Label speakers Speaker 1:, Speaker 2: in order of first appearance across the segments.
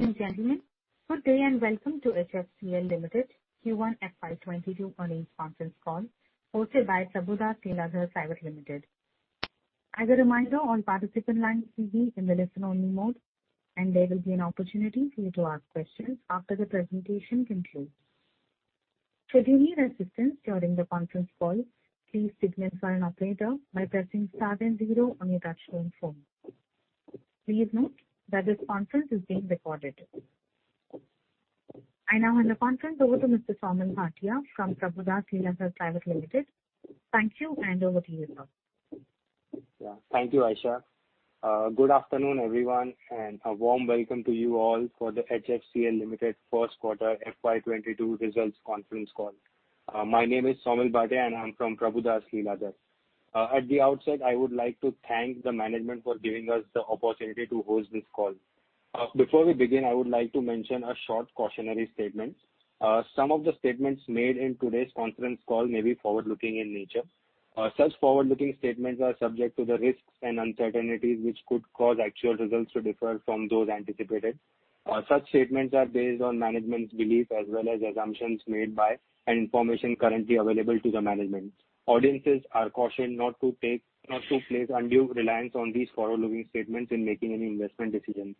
Speaker 1: Ladies and gentlemen, good day and welcome to HFCL Limited Q1 FY 2022 earnings conference call hosted by Prabhudas Lilladher Private Limited. As a reminder, all participant lines will be in the listen-only mode, and there will be an opportunity for you to ask questions after the presentation concludes. Should you need assistance during the conference call, please signal to an operator by pressing star and zero on your touchtone phone. Please note that this conference is being recorded. I now hand the conference over to Mr. Saumil Bhatia from Prabhudas Lilladher Private Limited. Thank you, and over to you now.
Speaker 2: Thank you, Aisha. Good afternoon, everyone, and a warm welcome to you all for the HFCL Limited first quarter FY 2022 results conference call. My name is Saumil Bhatia, and I'm from Prabhudas Lilladher. At the outset, I would like to thank the management for giving us the opportunity to host this call. Before we begin, I would like to mention a short cautionary statement. Some of the statements made in today's conference call may be forward-looking in nature. Such forward-looking statements are subject to the risks and uncertainties which could cause actual results to differ from those anticipated. Such statements are based on management's beliefs as well as assumptions made by and information currently available to the management. Audiences are cautioned not to place undue reliance on these forward-looking statements in making any investment decisions.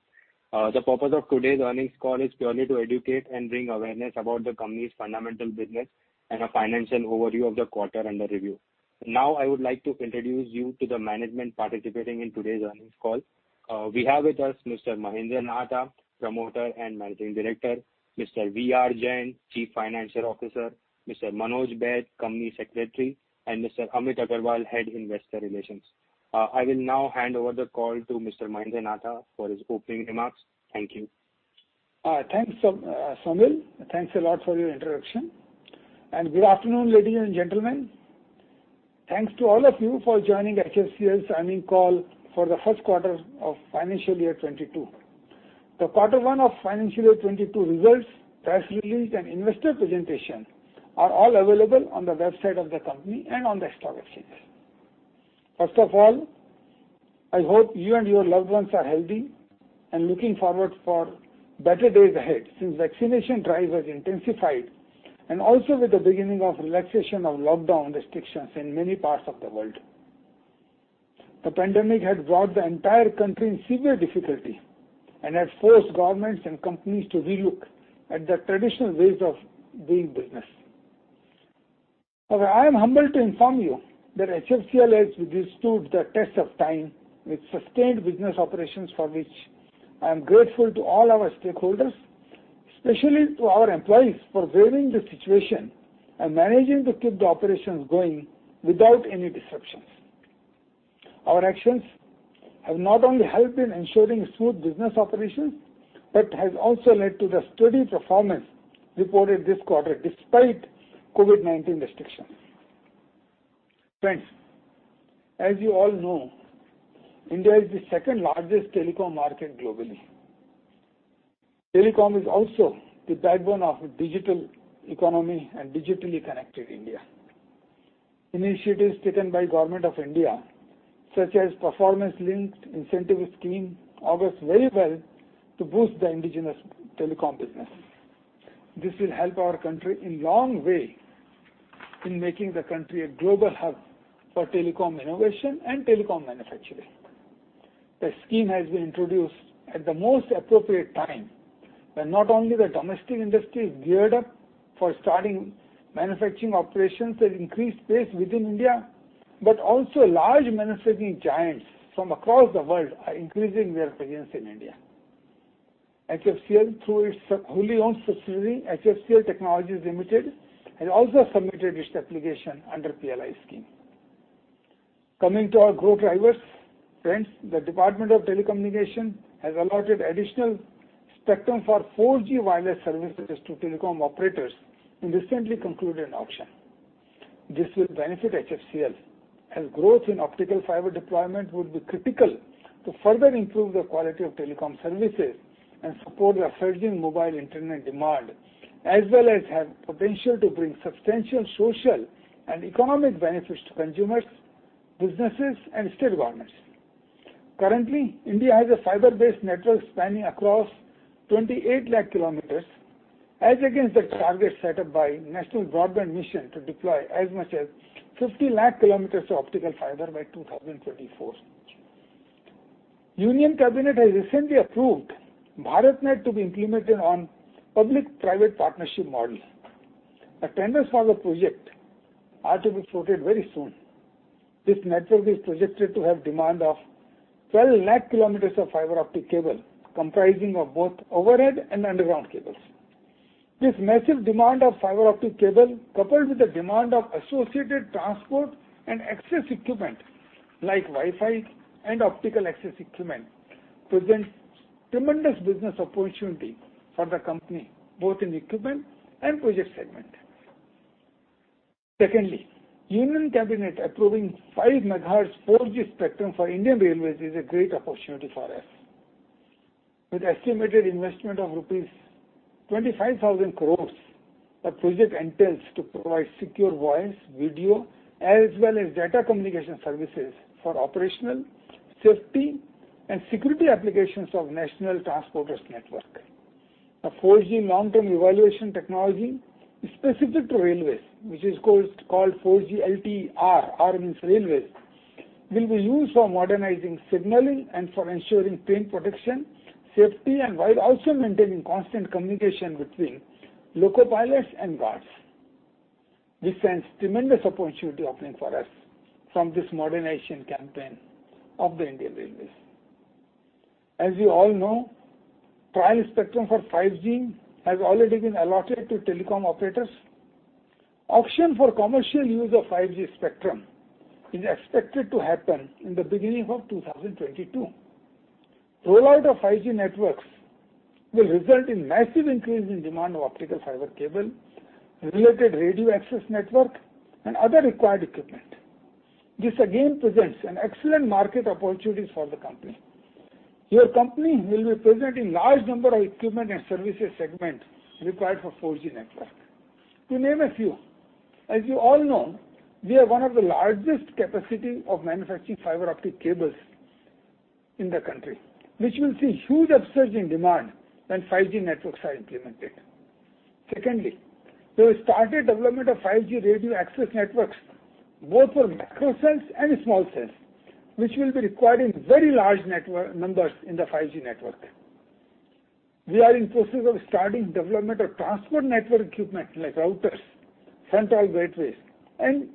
Speaker 2: The purpose of today's earnings call is purely to educate and bring awareness about the company's fundamental business and a financial overview of the quarter under review. Now, I would like to introduce you to the management participating in today's earnings call. We have with us Mr. Mahendra Nahata, Promoter and Managing Director. Mr. V.R. Jain, Chief Financial Officer. Mr. Manoj Baid, Company Secretary. Mr. Amit Agarwal, Head Investor Relations. I will now hand over the call to Mr. Mahendra Nahata for his opening remarks. Thank you.
Speaker 3: Thanks, Saumil. Thanks a lot for your introduction. Good afternoon, ladies and gentlemen. Thanks to all of you for joining HFCL's earnings call for the first quarter of financial year 2022. The quarter one of financial year 2022 results, press release, and investor presentation are all available on the website of the company and on the stock exchanges. First of all, I hope you and your loved ones are healthy and looking forward for better days ahead since vaccination drive has intensified, and also with the beginning of relaxation of lockdown restrictions in many parts of the world. The pandemic had brought the entire country in severe difficulty and had forced governments and companies to re-look at the traditional ways of doing business. I am humbled to inform you that HFCL has withstood the test of time with sustained business operations, for which I am grateful to all our stakeholders, especially to our employees, for veering the situation and managing to keep the operations going without any disruptions. Our actions have not only helped in ensuring smooth business operations, but has also led to the steady performance reported this quarter despite COVID-19 restrictions. Friends, as you all know, India is the second-largest telecom market globally. Telecom is also the backbone of a digital economy and digitally connected India. Initiatives taken by Government of India, such as Production Linked Incentive scheme, Augurs very well to boost the indigenous telecom businesses. This will help our country a long way in making the country a global hub for telecom innovation and telecom manufacturing. The scheme has been introduced at the most appropriate time, when not only the domestic industry is geared up for starting manufacturing operations at increased pace within India, but also large manufacturing giants from across the world are increasing their presence in India. HFCL, through its wholly owned subsidiary, HFCL Technologies Limited, has also submitted its application under PLI scheme. Coming to our growth drivers. Friends, the Department of Telecommunications has allotted additional spectrum for 4G wireless services to telecom operators in recently concluded auction. This will benefit HFCL, as growth in optical fiber deployment would be critical to further improve the quality of telecom services and support the surging mobile internet demand as well as have potential to bring substantial social and economic benefits to consumers, businesses, and State Governments. Currently, India has a fiber-based network spanning across 28 lakh km as against the target set up by National Broadband Mission to deploy as much as 50 lakh km of optical fiber by 2024. Union Cabinet has recently approved BharatNet to be implemented on public-private partnership model. The tenders for the project are to be floated very soon. This network is projected to have demand of 12 lakh km of fiber optic cable, comprising of both overhead and underground cables. This massive demand of fiber optic cable, coupled with the demand of associated transport and access equipment like Wi-Fi and optical access equipment, presents tremendous business opportunity for the company both in equipment and project segment. Secondly, Union Cabinet approving 5 MHz 4G spectrum for Indian Railways is a great opportunity for us. With estimated investment of rupees 25,000 crores. The project entails to provide secure voice, video, as well as data communication services for operational, safety, and security applications of National Transporters Network. A 4G Long-Term Evolution technology specific to railways, which is called 4G LTE-R, R means railways, will be used for modernizing signaling and for ensuring train protection, safety, and while also maintaining constant communication between loco pilots and guards. This presents tremendous opportunity opening for us from this modernization campaign of the Indian Railways. As you all know, trial spectrum for 5G has already been allotted to telecom operators. Auction for commercial use of 5G spectrum is expected to happen in the beginning of 2022. Rollout of 5G networks will result in massive increase in demand of optical fiber cable, related radio access network, and other required equipment. This again presents an excellent market opportunities for the company. Your company will be present in large number of equipment and services segment required for 4G network. To name a few, as you all know, we are one of the largest capacity of manufacturing optical fiber cables in the country, which will see huge upsurge in demand when 5G networks are implemented. Secondly, we have started development of 5G Radio Access Networks, both for microcells and small cells, which will be required in very large numbers in the 5G network. We are in process of starting development of transport network equipment like routers, central gateways, and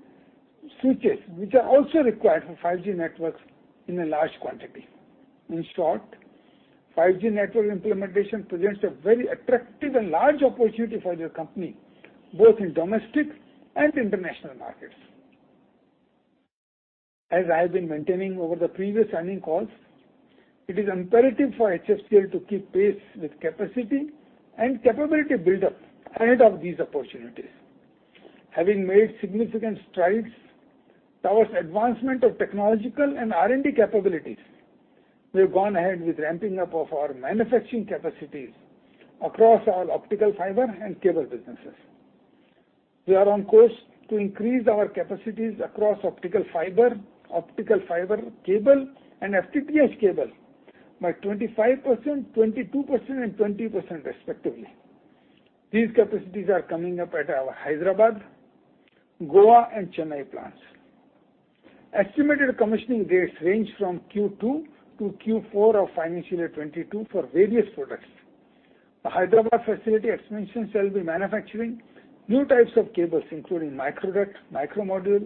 Speaker 3: switches, which are also required for 5G networks in a large quantity. In short, 5G network implementation presents a very attractive and large opportunity for your company, both in domestic and international markets. As I have been maintaining over the previous earning calls, it is imperative for HFCL to keep pace with capacity and capability build-up ahead of these opportunities. Having made significant strides towards advancement of technological and R&D capabilities, we have gone ahead with ramping up of our manufacturing capacities across our optical fiber and cable businesses. We are on course to increase our capacities across optical fiber, optical fiber cable, and FTTH cable by 25%, 22%, and 20% respectively. These capacities are coming up at our Hyderabad, Goa, and Chennai plants. Estimated commissioning dates range from Q2 to Q4 of financial year 2022 for various products. The Hyderabad facility expansions shall be manufacturing new types of cables including micro duct, micro module,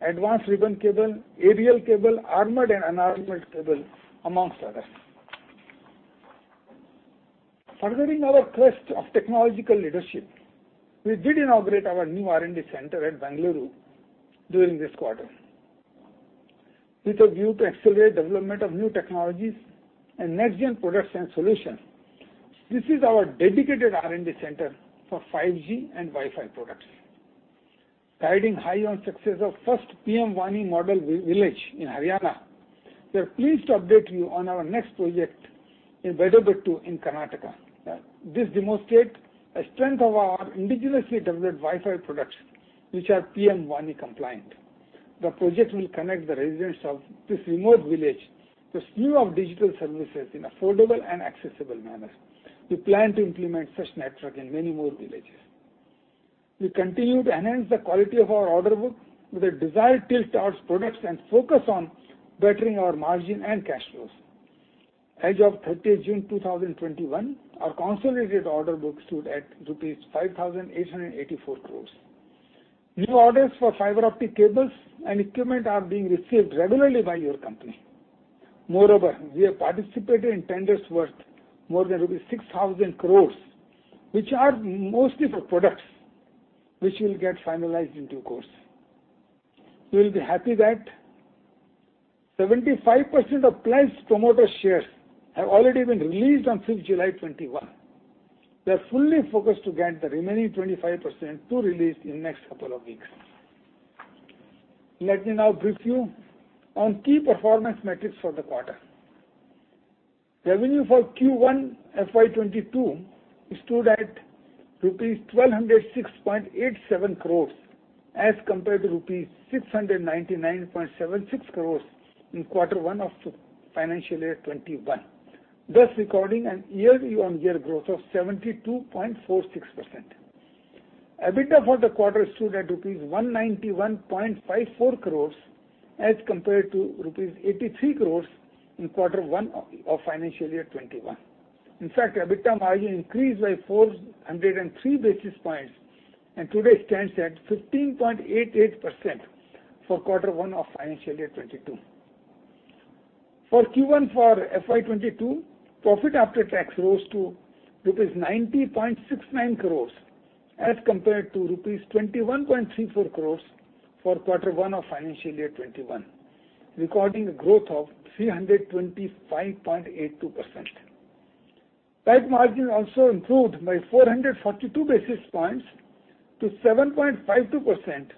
Speaker 3: advanced ribbon cable, aerial cable, armored and unarmored cable, amongst others. Furthering our quest of technological leadership, we did inaugurate our new R&D center at Bengaluru during this quarter. With a view to accelerate development of new technologies and next-gen products and solutions, this is our dedicated R&D center for 5G and Wi-Fi products. Riding high on success of first PM-WANI model village in Haryana, we are pleased to update you on our next project in Baidebettu in Karnataka. This demonstrate a strength of our indigenously developed Wi-Fi products, which are PM-WANI compliant. The project will connect the residents of this remote village to slew of digital services in affordable and accessible manner. We plan to implement such network in many more villages. We continue to enhance the quality of our order book with a desired tilt towards products and focus on bettering our margin and cash flows. As of June 30, 2021, our consolidated order book stood at rupees 5,884 crores. New orders for fiber optic cables and equipment are being received regularly by your company. We have participated in tenders worth more than rupees 6,000 crores, which are mostly for products, which will get finalized in due course. You will be happy that 75% of pledged promoter shares have already been released on 5th July 2021. We are fully focused to get the remaining 25% to release in next couple of weeks. Let me now brief you on key performance metrics for the quarter. Revenue for Q1 FY 2022 stood at rupees 1,206.87 crores as compared to rupees 699.76 crores in quarter one of financial year 2021, thus recording an year-on-year growth of 72.46%. EBITDA for the quarter stood at rupees 191.54 crores as compared to rupees 83 crores in quarter one of financial year 2021. In fact, EBITDA margin increased by 403 basis points and today stands at 15.88% for quarter one of financial year 2022. For Q1 for FY 2022, profit after tax rose to rupees 90.69 crores as compared to rupees 21.34 crores for quarter one of financial year 2021, recording a growth of 325.82%. PAT margin also improved by 442 basis points to 7.52%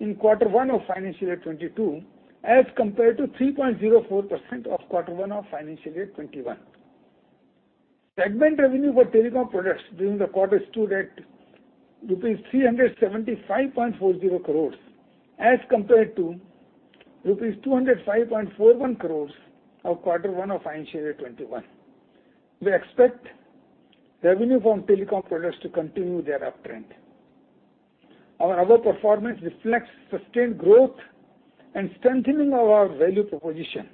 Speaker 3: in quarter one of financial year 2022, as compared to 3.04% of quarter one of financial year 2021. Segment revenue for telecom products during the quarter stood at rupees 375.40 crores as compared to rupees 205.41 crores of quarter one of financial year 2021. We expect revenue from telecom products to continue their uptrend. Our other performance reflects sustained growth and strengthening of our value proposition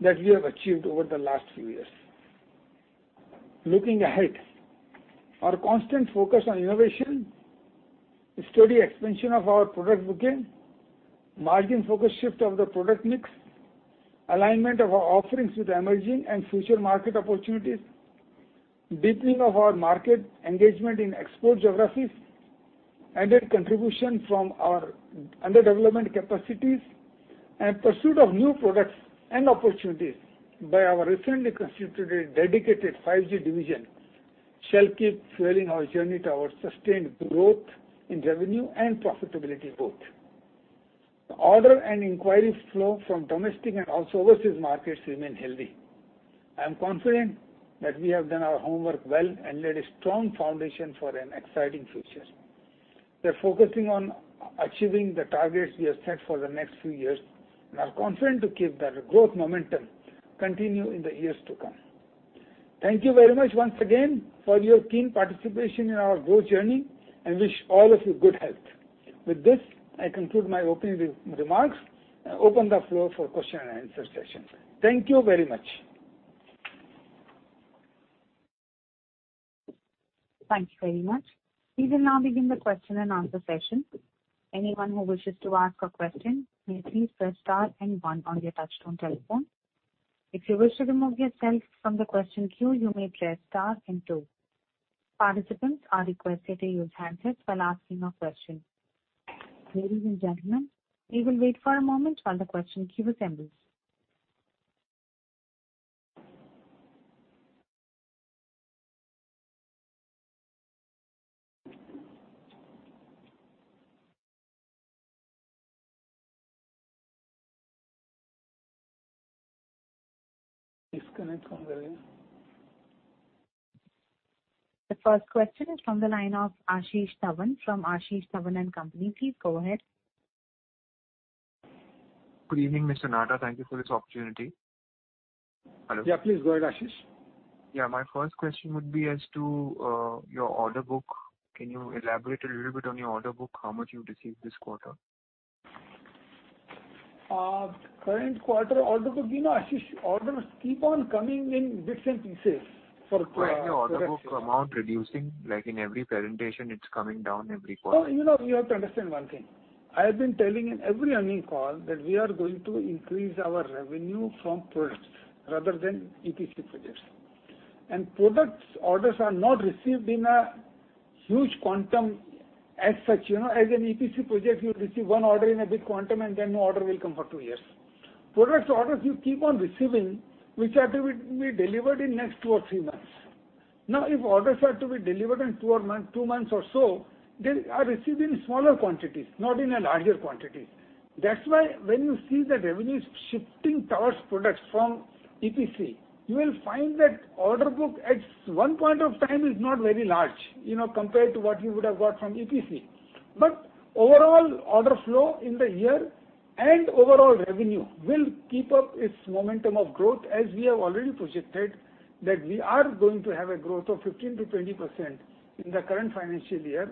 Speaker 3: that we have achieved over the last few years. Looking ahead, our constant focus on innovation, steady expansion of our product booking, margin focus shift of the product mix, alignment of our offerings with emerging and future market opportunities, deepening of our market engagement in export geographies, and then contribution from our under development capacities and pursuit of new products and opportunities by our recently constituted dedicated 5G division shall keep fueling our journey to our sustained growth in revenue and profitability both. The order and inquiries flow from domestic and also overseas markets remain healthy. I am confident that we have done our homework well and laid a strong foundation for an exciting future. We're focusing on achieving the targets we have set for the next few years and are confident to keep that growth momentum continue in the years to come. Thank you very much once again for your keen participation in our growth journey and wish all of you good health. With this, I conclude my opening remarks and open the floor for question-and-answer session. Thank you very much.
Speaker 1: Thank you very much. We will now begin the question and answer session. Anyone who wishes to ask a question may please press star one on your touchtone telephone. If you wish to remove yourself from the question queue, you may press star two. Participants are requested to use handsets while asking a question. Ladies and gentlemen, we will wait for a moment while the question queue assembles. The first question is from the line of Ashish Dhawan from Ashish Dhawan and Company, please go ahead.
Speaker 4: Good evening, Mr. Nahata? Thank you for this opportunity. Hello?
Speaker 3: Yeah, please go ahead, Ashish.
Speaker 4: Yeah. My first question would be as to your order book. Can you elaborate a little bit on your order book, how much you've received this quarter?
Speaker 3: Current quarter order book, Ashish, orders keep on coming in bits and pieces for-
Speaker 4: Why is your order book amount reducing? Like in every presentation, it's coming down every quarter.
Speaker 3: You have to understand one thing. I have been telling in every earnings call that we are going to increase our revenue from products rather than EPC projects. Products orders are not received in a huge quantum as such. As an EPC project, you'll receive one order in a big quantum, and then no order will come for two years. Products orders you keep on receiving, which are to be delivered in next two or three months. If orders are to be delivered in two months or so, they are received in smaller quantities, not in a larger quantities. When you see the revenue shifting towards products from EPC, you will find that order book at one point of time is not very large compared to what you would have got from EPC. Overall order flow in the year and overall revenue will keep up its momentum of growth, as we have already projected that we are going to have a growth of 15%-20% in the current financial year.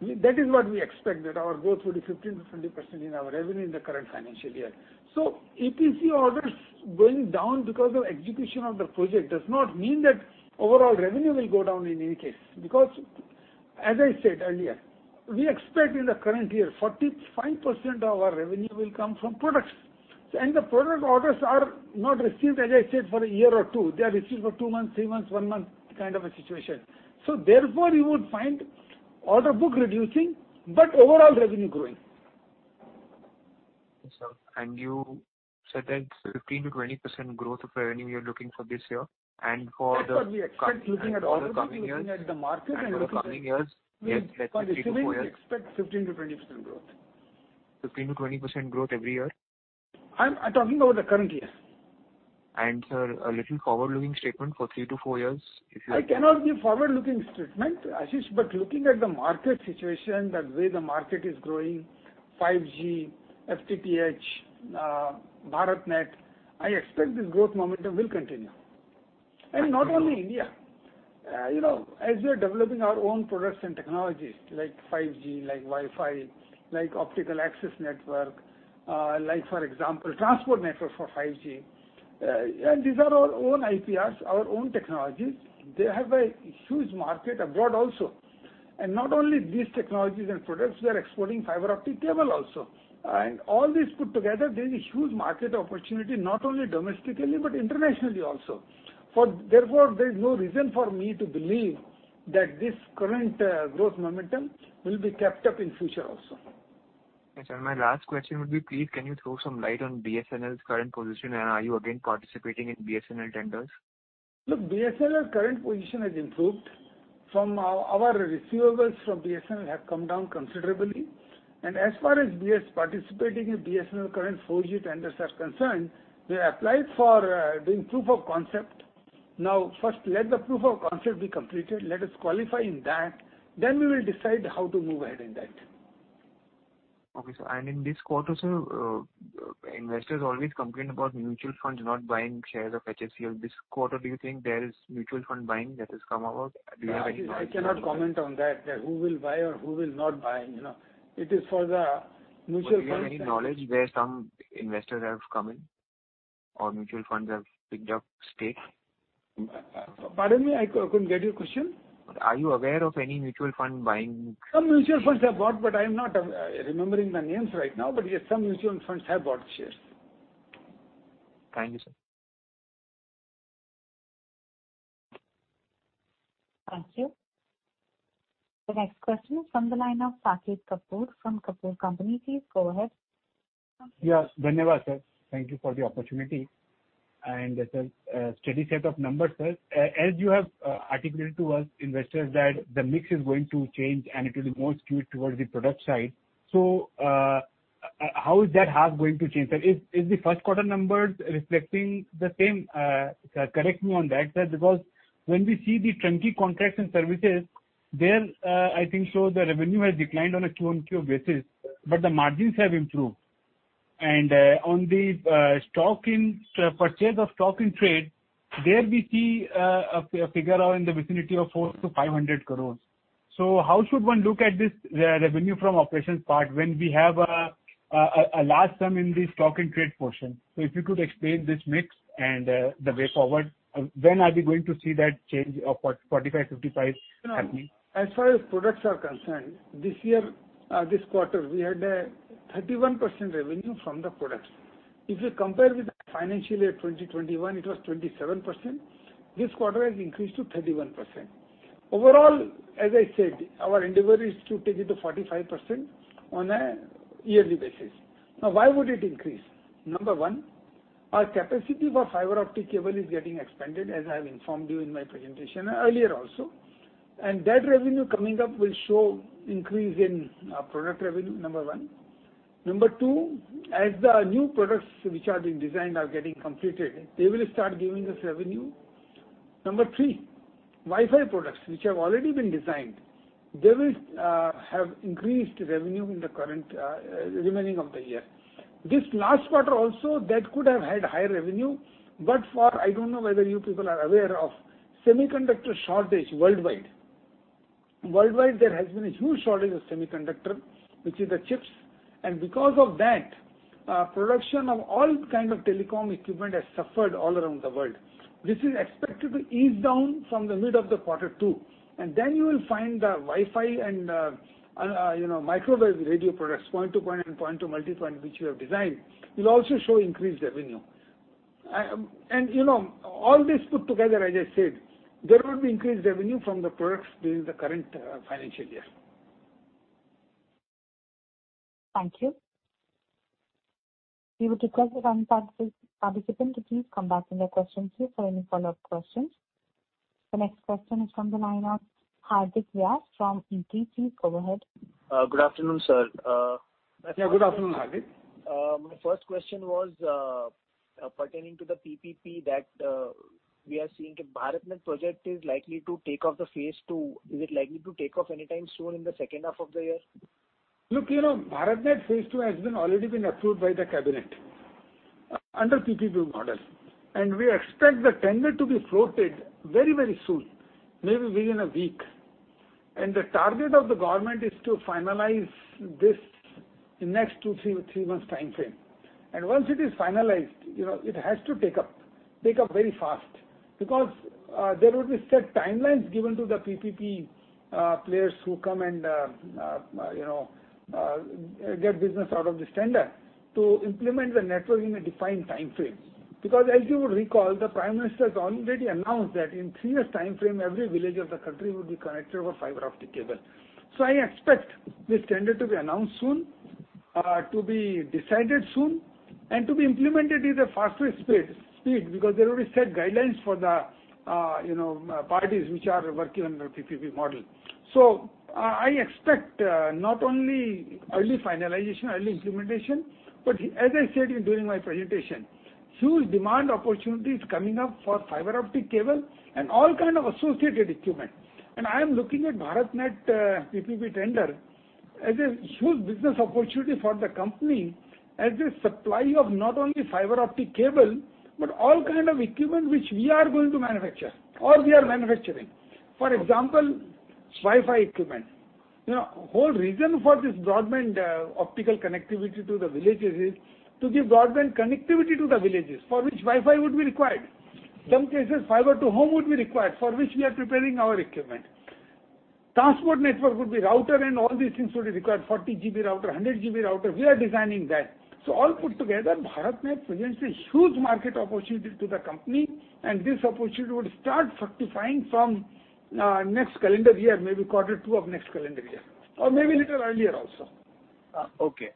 Speaker 3: That is what we expect, that our growth will be 15%-20% in our revenue in the current financial year. EPC orders going down because of execution of the project does not mean that overall revenue will go down in any case. As I said earlier, we expect in the current year, 45% of our revenue will come from products. The product orders are not received, as I said, for a year or two. They are received for two months, three months, one month kind of a situation. Therefore, you would find order book reducing but overall revenue growing.
Speaker 4: You said that 15%-20% growth of revenue you're looking for this year.
Speaker 3: That's what we expect looking at order book.
Speaker 4: For the coming years?
Speaker 3: Looking at the market and looking at-.
Speaker 4: For the coming years.
Speaker 3: We expect 15%-20% growth.
Speaker 4: 15%-20% growth every year?
Speaker 3: I'm talking about the current year.
Speaker 4: Sir, a little forward-looking statement for three to four years, if you have.
Speaker 3: I cannot give forward-looking statement, Ashish. Looking at the market situation, the way the market is growing, 5G, FTTH, BharatNet, I expect this growth momentum will continue. Not only India. As we are developing our own products and technologies like 5G, like Wi-Fi, like optical access network, like for example, transport network for 5G. These are our own IPRs, our own technologies. They have a huge market abroad also. Not only these technologies and products, we are exporting fiber optic cable also. All this put together, there's a huge market opportunity, not only domestically but internationally also. There's no reason for me to believe that this current growth momentum will be kept up in future also.
Speaker 4: Yes, sir. My last question would be, please can you throw some light on BSNL's current position, and are you again participating in BSNL tenders?
Speaker 3: Look, BSNL's current position has improved. Our receivables from BSNL have come down considerably. As far as participating in BSNL current 4G tenders are concerned, we applied for doing proof of concept. Now, first let the proof of concept be completed, let us qualify in that, then we will decide how to move ahead in that.
Speaker 4: Okay, sir. In this quarter, sir, investors always complain about mutual funds not buying shares of HFCL. This quarter, do you think there is mutual fund buying that has come about? Do you have any knowledge about that?
Speaker 3: I cannot comment on that, who will buy or who will not buy. It is for the mutual funds.
Speaker 4: Do you have any knowledge where some investors have come in or mutual funds have picked up stakes?
Speaker 3: Pardon me, I couldn't get your question.
Speaker 4: Are you aware of any mutual fund buying?
Speaker 3: Some mutual funds have bought, but I'm not remembering the names right now. Yes, some mutual funds have bought shares.
Speaker 4: Thank you, sir.
Speaker 1: Thank you. The next question is from the line of Saket Kapoor from Kapoor Company, please go ahead.
Speaker 5: Yes. Thank you for the opportunity. That's a steady set of numbers, sir. As you have articulated to us investors that the mix is going to change and it will be more skewed towards the product side. How is that half going to change? Is the first quarter numbers reflecting the same? Correct me on that, sir, because when we see the Turnkey contracts and services, there I think show the revenue has declined on a quarter-over-quarter basis, but the margins have improved. On the purchase of stock in trade, there we see a figure in the vicinity of 400 crore to 500 crore. How should one look at this revenue from operations part when we have a large sum in the stock and trade portion? If you could explain this mix and the way forward, when are we going to see that change of 45/55 happening?
Speaker 3: As far as products are concerned, this quarter, we had a 31% revenue from the products. If you compare with financial year 2021, it was 27%. This quarter has increased to 31%. Overall, as I said, our endeavor is to take it to 45% on a yearly basis. Why would it increase? Number one, our capacity for fiber optic cable is getting expanded, as I have informed you in my presentation earlier also. That revenue coming up will show increase in product revenue, number one. Number two, as the new products which are being designed are getting completed, they will start giving us revenue. Number three, Wi-Fi products, which have already been designed, they will have increased revenue in the remaining of the year. This last quarter also, that could have had higher revenue. But for, I don't know whether you people are aware of semiconductor shortage worldwide. Worldwide, there has been a huge shortage of semiconductor, which is the chips. Because of that, production of all kind of telecom equipment has suffered all around the world. This is expected to ease down from the mid of the quarter two, and then you will find the Wi-Fi and microwave radio products, point to point and point to multipoint, which we have designed, will also show increased revenue. All this put together, as I said, there will be increased revenue from the products during the current financial year.
Speaker 1: Thank you. We would request the current participant to please come back in the question queue for any follow-up questions. The next question is from the line of Hardik Vyas from ET, please go ahead.
Speaker 6: Good afternoon sir?
Speaker 3: Good afternoon, Hardik.
Speaker 6: My first question was pertaining to the PPP that we are seeing. BharatNet project is likely to take off the phase two. Is it likely to take off anytime soon in the second half of the year?
Speaker 3: Look, BharatNet phase 2 has already been approved by the cabinet under PPP model, and we expect the tender to be floated very soon, maybe within a week. The target of the government is to finalize this in next two, three months time frame. Once it is finalized, it has to take up very fast because there would be set timelines given to the PPP players who come and get business out of this tender to implement the network in a defined time frame. As you would recall, the Prime Minister has already announced that in three years time frame, every village of the country would be connected over fiber optic cable. I expect this tender to be announced soon, to be decided soon, and to be implemented with a faster speed because there will be set guidelines for the parties which are working under PPP model. I expect not only early finalization, early implementation, but as I said during my presentation, huge demand opportunity is coming up for fiber optic cable and all kind of associated equipment. I am looking at BharatNet PPP tender as a huge business opportunity for the company as a supplier of not only fiber optic cable, but all kind of equipment which we are going to manufacture or we are manufacturing. For example, Wi-Fi equipment. Whole reason for this broadband optical connectivity to the villages is to give broadband connectivity to the villages, for which Wi-Fi would be required. Some cases, fiber to home would be required, for which we are preparing our equipment. Transport network would be router and all these things would be required, 40 GB router, 100 GB router, we are designing that. All put together, BharatNet presents a huge market opportunity to the company, and this opportunity would start fructifying from next calendar year, maybe quarter two of next calendar year or maybe little earlier also.
Speaker 6: Okay.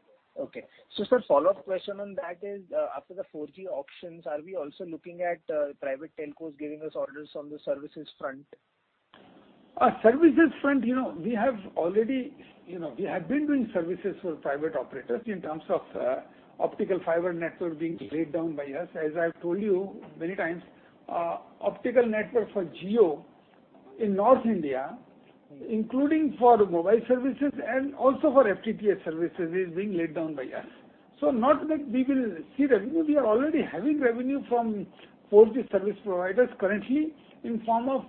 Speaker 6: sir, follow-up question on that is after the 4G options, are we also looking at private telcos giving us orders on the services front?
Speaker 3: Services front, we have been doing services for private operators in terms of optical fiber network being laid down by us. As I've told you many times, optical network for Jio in North India, including for mobile services and also for FTTH services, is being laid down by us. Not that we will see revenue. We are already having revenue from 4G service providers currently in form of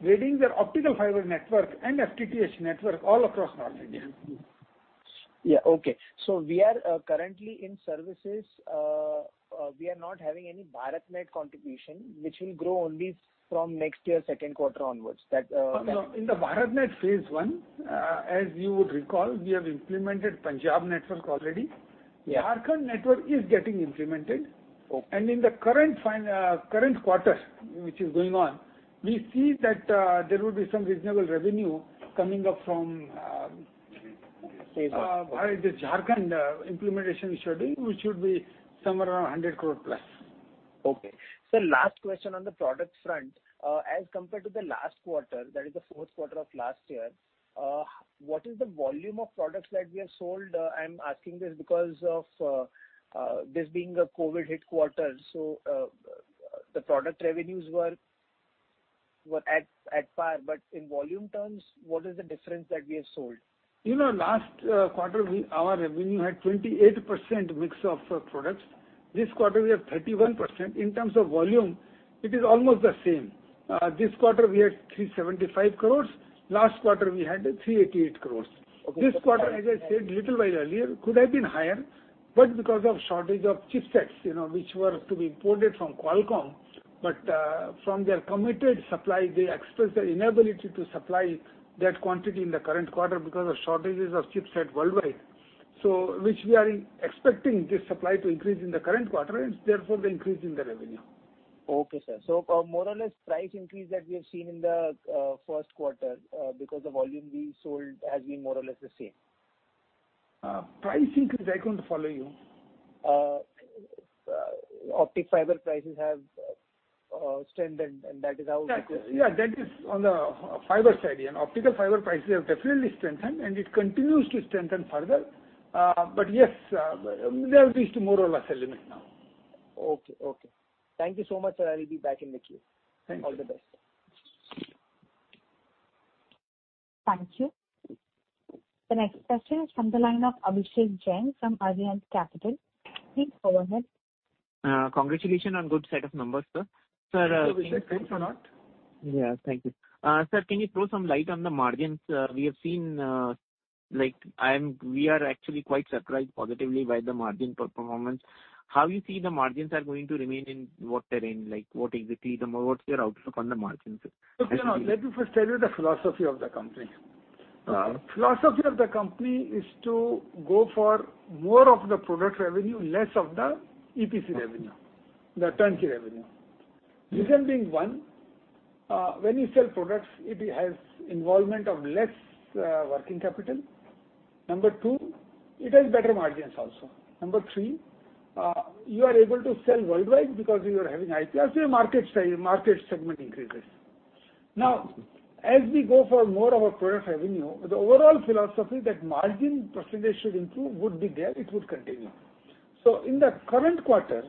Speaker 3: laying their optical fiber network and FTTH network all across North India.
Speaker 6: Yeah. Okay. We are currently in services. We are not having any BharatNet contribution, which will grow only from next year, second quarter onwards.
Speaker 3: In the BharatNet phase 1, as you would recall, we have implemented Punjab network already.
Speaker 6: Yeah.
Speaker 3: Jharkhand network is getting implemented.
Speaker 6: Okay.
Speaker 3: In the current quarter, which is going on, we see that there will be some reasonable revenue coming up from the Jharkhand implementation schedule, which should be somewhere around 100 crore plus.
Speaker 6: Okay. Sir, last question on the product front. As compared to the last quarter, that is the fourth quarter of last year, what is the volume of products that we have sold? I'm asking this because of this being a COVID-hit quarter, so the product revenues were at par, but in volume terms, what is the difference that we have sold?
Speaker 3: Last quarter, our revenue had 28% mix of products. This quarter, we have 31%. In terms of volume, it is almost the same. This quarter, we had 375 crores. Last quarter, we had 388 crores. This quarter, as I said a little while earlier, could have been higher because of shortage of chipsets, which were to be imported from Qualcomm. From their committed supply, they expressed their inability to supply that quantity in the current quarter because of shortages of chipsets worldwide. Which we are expecting the supply to increase in the current quarter, and therefore the increase in the revenue.
Speaker 6: Okay, sir. More or less price increase that we have seen in the first quarter because the volume being sold has been more or less the same.
Speaker 3: Price increase, I couldn't follow you.
Speaker 6: Optic fiber prices have strengthened, and that is how.
Speaker 3: Yeah, that is on the fiber side. Optical fiber prices have definitely strengthened, and it continues to strengthen further. Yes, there it is more or less level now.
Speaker 6: Okay. Thank you so much, sir. I will be back in the queue.
Speaker 3: Thank you.
Speaker 6: All the best.
Speaker 1: Thank you. The next question is from the line of Abhishek Jain from Arihant Capital, please go ahead.
Speaker 7: Congratulations on a good set of numbers, sir.
Speaker 3: Thank you.
Speaker 7: Yeah. Thank you. Sir, can you throw some light on the margins? We are actually quite surprised positively by the margin performance. How you see the margins are going to remain in what terrain? Like what is the theme or what's your outlook on the margins, sir?
Speaker 3: Let me first tell you the philosophy of the company.
Speaker 7: Okay.
Speaker 3: Philosophy of the company is to go for more of the product revenue, less of the EPC revenue, the turnkey revenue. Reason being, one, when you sell products, it has involvement of less working capital. Number two, it has better margins also. Number three, you are able to sell worldwide because you are having IPR and your market segment increases. As we go for more of our product revenue, the overall philosophy that margin percentage should improve would be there, it would continue. In the current quarter,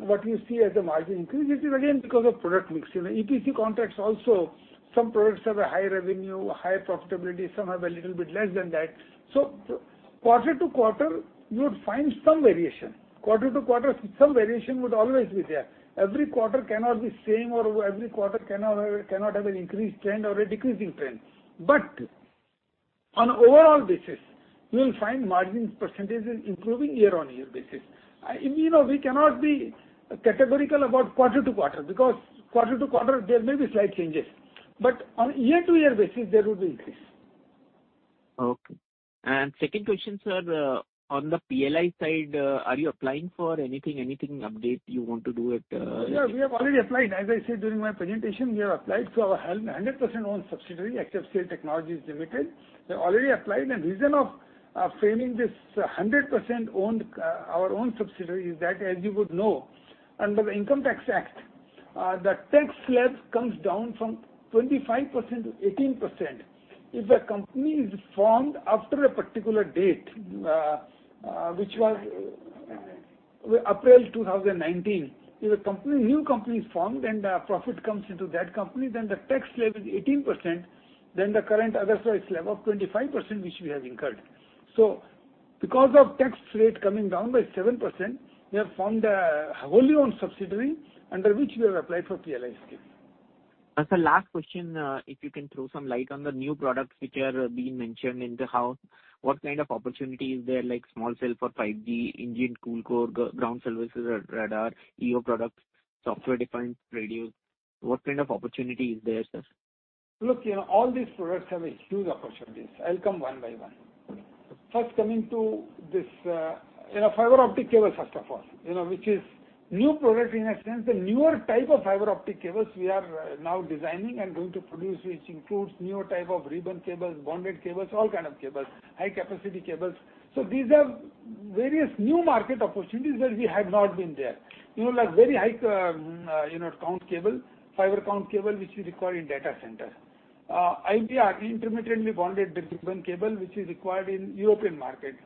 Speaker 3: what you see as a margin increase is again because of product mix. In EPC contracts also, some products have a higher revenue, higher profitability, some have a little bit less than that. Quarter-to quarter, you would find some variation. Quarter-to-quarter, some variation would always be there. Every quarter cannot be same, or every quarter cannot have an increased trend or a decreasing trend. On overall basis, you will find margin percentages improving year-on-year basis. We cannot be categorical about quarter-to-quarter, because quarter-to-quarter there may be slight changes, but on year-to-year basis, there will be increase.
Speaker 7: Okay. Second question, sir. On the PLI side, are you applying for any update you want to do?
Speaker 3: Sir, we have already applied, as I said during my presentation, we have applied for our 100% owned subsidiary, Axess Cable Technologies Limited. We have already applied, and reason of framing this 100% our own subsidiary is that, as you would know, under the Income Tax Act, the tax slab comes down from 25% to 18%. If a company is formed after a particular date, which was April 2019. If a new company is formed and profit comes into that company, then the tax slab is 18%, than the current other slab of 25%, which we have incurred. Because of tax rate coming down by 7%, we have formed a wholly owned subsidiary under which we have applied for PLI scheme.
Speaker 7: Sir, last question. If you can throw some light on the new products which are being mentioned in the house, what kind of opportunity is there, like small cell for 5G, in-vehicle ground services, radar, EO products, software-defined radio. What kind of opportunity is there, sir?
Speaker 3: Look, all these products have a huge opportunity. I'll come one by one. First coming to this fiber optic cable, first of course, which is new product in a sense, the newer type of fiber optic cables we are now designing and going to produce, which includes newer type of ribbon cables, bonded cables, all kinds of cables, high-capacity cables. These are various new market opportunities where we have not been there. Like very high-count cable, fiber-count cable, which you require in data center. IB, intermittently bonded ribbon cable, which is required in European market.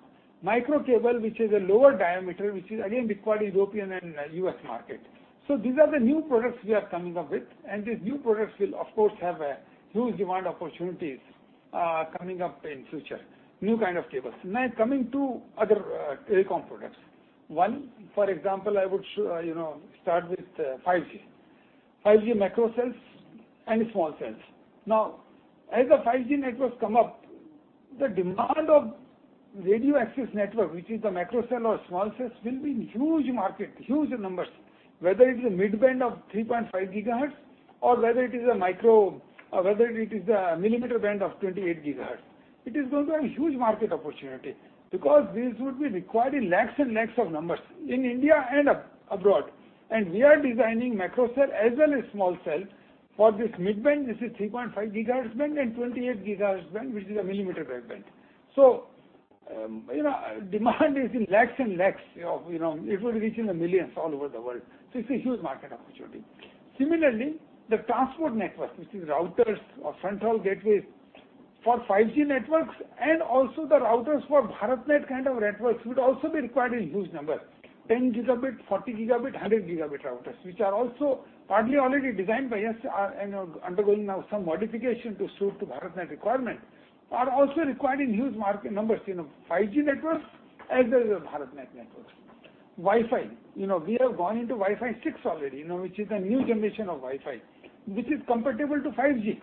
Speaker 3: Micro cable, which is a lower diameter, which is again required in European and U.S. market. These are the new products we are coming up with, and these new products will, of course, have a huge demand opportunities coming up in future. New kinds of cables. Coming to other telecom products. One, for example, I would start with 5G. 5G macro cells and small cells. As the 5G networks come up, the demand of radio access network, which is the macro cell or small cells, will be in huge market, huge in numbers. Whether it is a mid-band of 3.5 GHz or whether it is a millimeter band of 28 GHz. It is also a huge market opportunity because these will be required in lakhs and lakhs of numbers in India and abroad. We are designing macro cell as well as small cell for this mid-band, this is 3.5 GHz band and 28 GHz band, which is a millimeter wave band. Demand is in lakhs and lakhs. It will reach in the millions all over the world. It's a huge market opportunity. Similarly, the transport network, which is routers or front-haul gateways for 5G networks and also the routers for BharatNet kind of networks will also be required in huge numbers. 10 Gb routers, 40 Gb routers, 100 Gb routers, which are also partly already designed by us, undergoing now some modification to suit to BharatNet requirement, are also required in huge market numbers, 5G networks as well as BharatNet networks. Wi-Fi. We have gone into Wi-Fi 6 already, which is a new generation of Wi-Fi, which is comparable to 5G.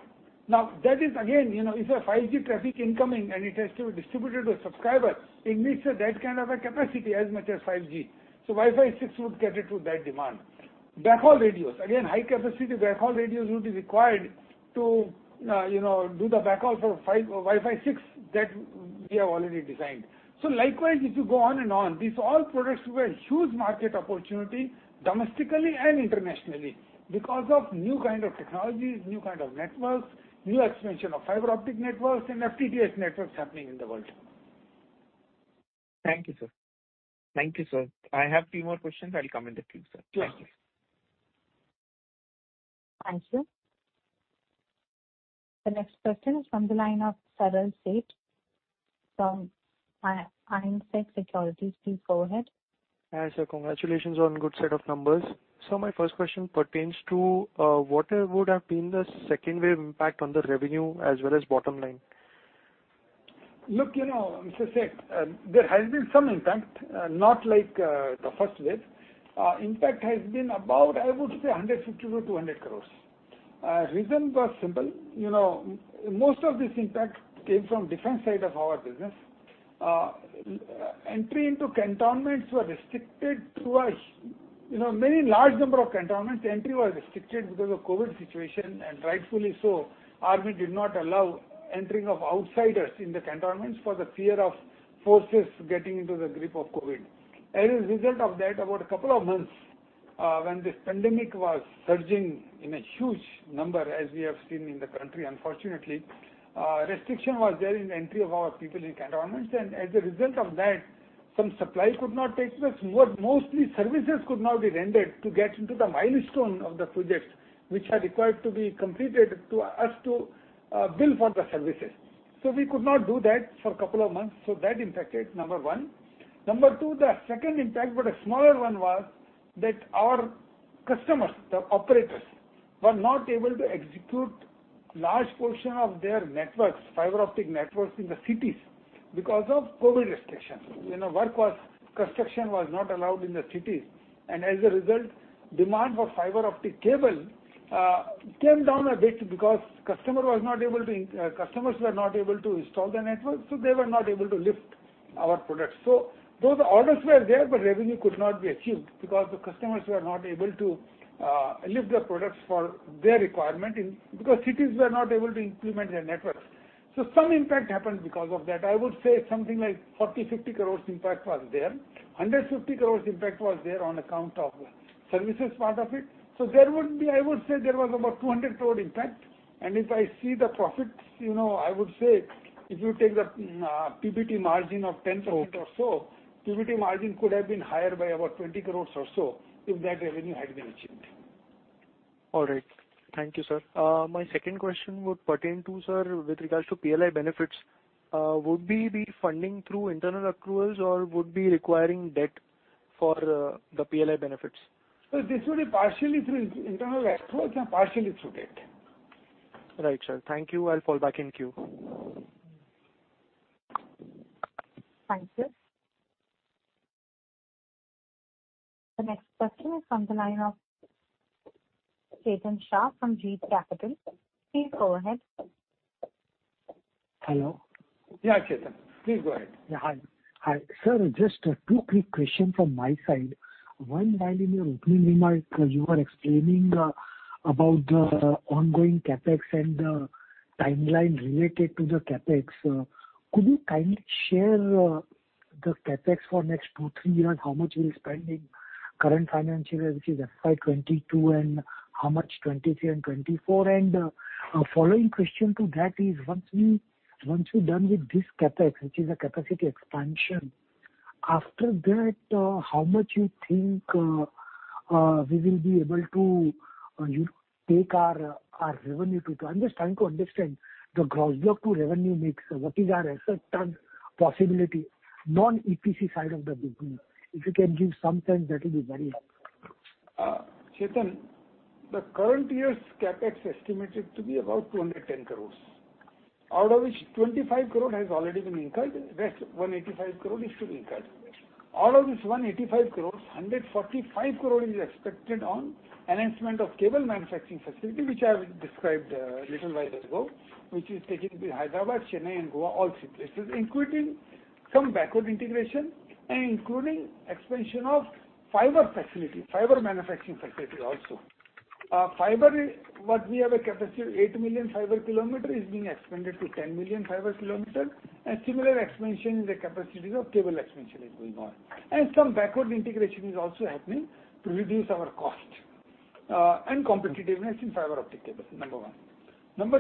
Speaker 3: That is again, if a 5G traffic incoming and it has to be distributed to a subscriber, it needs that kind of a capacity as much as 5G. Wi-Fi 6 would cater to that demand. Backhaul radios. Again, high capacity backhaul radios would be required to do the backhaul for Wi-Fi 6 that we have already designed. Likewise, if you go on and on, these all products have a huge market opportunity domestically and internationally because of new kind of technologies, new kind of networks, new expansion of optical fibre networks, and FTTH networks happening in the world.
Speaker 7: Thank you, sir. Thank you, sir. I have two more questions. I'll come at the queue, sir.
Speaker 3: Sure.
Speaker 1: Thank you. The next question is from the line of Saral Seth from Indsec Securities, please go ahead.
Speaker 8: Hi, sir. Congratulations on good set of numbers. My first question pertains to what would have been the second wave impact on the revenue as well as bottom line?
Speaker 3: Look, as I said, there has been some impact, not like the first wave. Impact has been about, I would say 150 crores-200 crores. Reasons are simple. Most of this impact came from different side of our business. Entry into cantonments were restricted to a very large number of cantonments. Entry was restricted because of COVID situation, and rightfully so. Army did not allow entering of outsiders in the cantonments for the fear of forces getting into the grip of COVID. As a result of that, about a couple of months, when this pandemic was surging in a huge number, as we have seen in the country, unfortunately, restriction was there in entry of our people in cantonments. As a result of that, some supply could not take place. Mostly services could not be rendered to get into the milestone of the projects which are required to be completed to us to bill for the services. We could not do that for a couple of months. That impacted, number one. Number two, the second impact, but a smaller one, was that our customers, the operators, were not able to execute large portion of their networks, optical fiber networks in the cities because of COVID restrictions. Construction was not allowed in the cities. As a result, demand for optical fiber cable came down a bit because customers were not able to install the network, so they were not able to lift our products. Though the orders were there, but revenue could not be achieved because the customers were not able to lift the products for their requirement because cities were not able to implement their networks. Some impact happened because of that. I would say something like 40 crore-50 crore impact was there. 150 crore impact was there on account of services part of it. There would be, I would say there was about 200 crore impact. If I see the profits, I would say if you take the PBT margin of 10 crore or so, PBT margin could have been higher by about 20 crore or so if that revenue had been achieved.
Speaker 8: All right. Thank you, sir. My second question would pertain to, sir, with regards to PLI benefits. Would we be funding through internal accruals or would be requiring debt for the PLI benefits?
Speaker 3: Sir, this would be partially through internal accruals and partially through debt.
Speaker 8: Right, sir. Thank you. I'll fall back in queue.
Speaker 1: Thank you. The next question is from the line of Chetan Shah from Jeet Capital, please go ahead.
Speaker 9: Hello?
Speaker 3: Yeah, Chetan. Please go ahead.
Speaker 9: Yeah, hi. Sir, just two quick question from my side. One line in your opening remarks you are explaining about the ongoing CapEx and the timeline related to the CapEx, could you kindly share the CapEx for next two years, 3 years, how much we are spending current financial year, which is FY 2022, and how much FY 2023 and FY 2024? Following question to that is, once you're done with this CapEx, which is a capacity expansion, after that, how much you think we will be able to take our revenue to? I'm just trying to understand the growth of revenue mix. What is our asset turn possibility, non-EPC side of the business? If you can give some sense, that will be very helpful.
Speaker 3: Chetan, the current year's CapEx estimated to be about 210 crore, out of which 25 crore has already been incurred. Rest 185 crore is to be incurred. Out of this 185 crore, 145 crore is expected on enhancement of cable manufacturing facility, which I have described a little while ago, which is taken in Hyderabad, Chennai and Goa, all three places, including some backward integration and including expansion of fiber facility, fiber manufacturing facility also. Fiber, what we have a capacity of 8 million fiber km is being expanded to 10 million fiber km. Similar expansion in the capacities of cable expansion is going on. Some backward integration is also happening to reduce our cost and competitiveness in fiber optic cables, number one. Number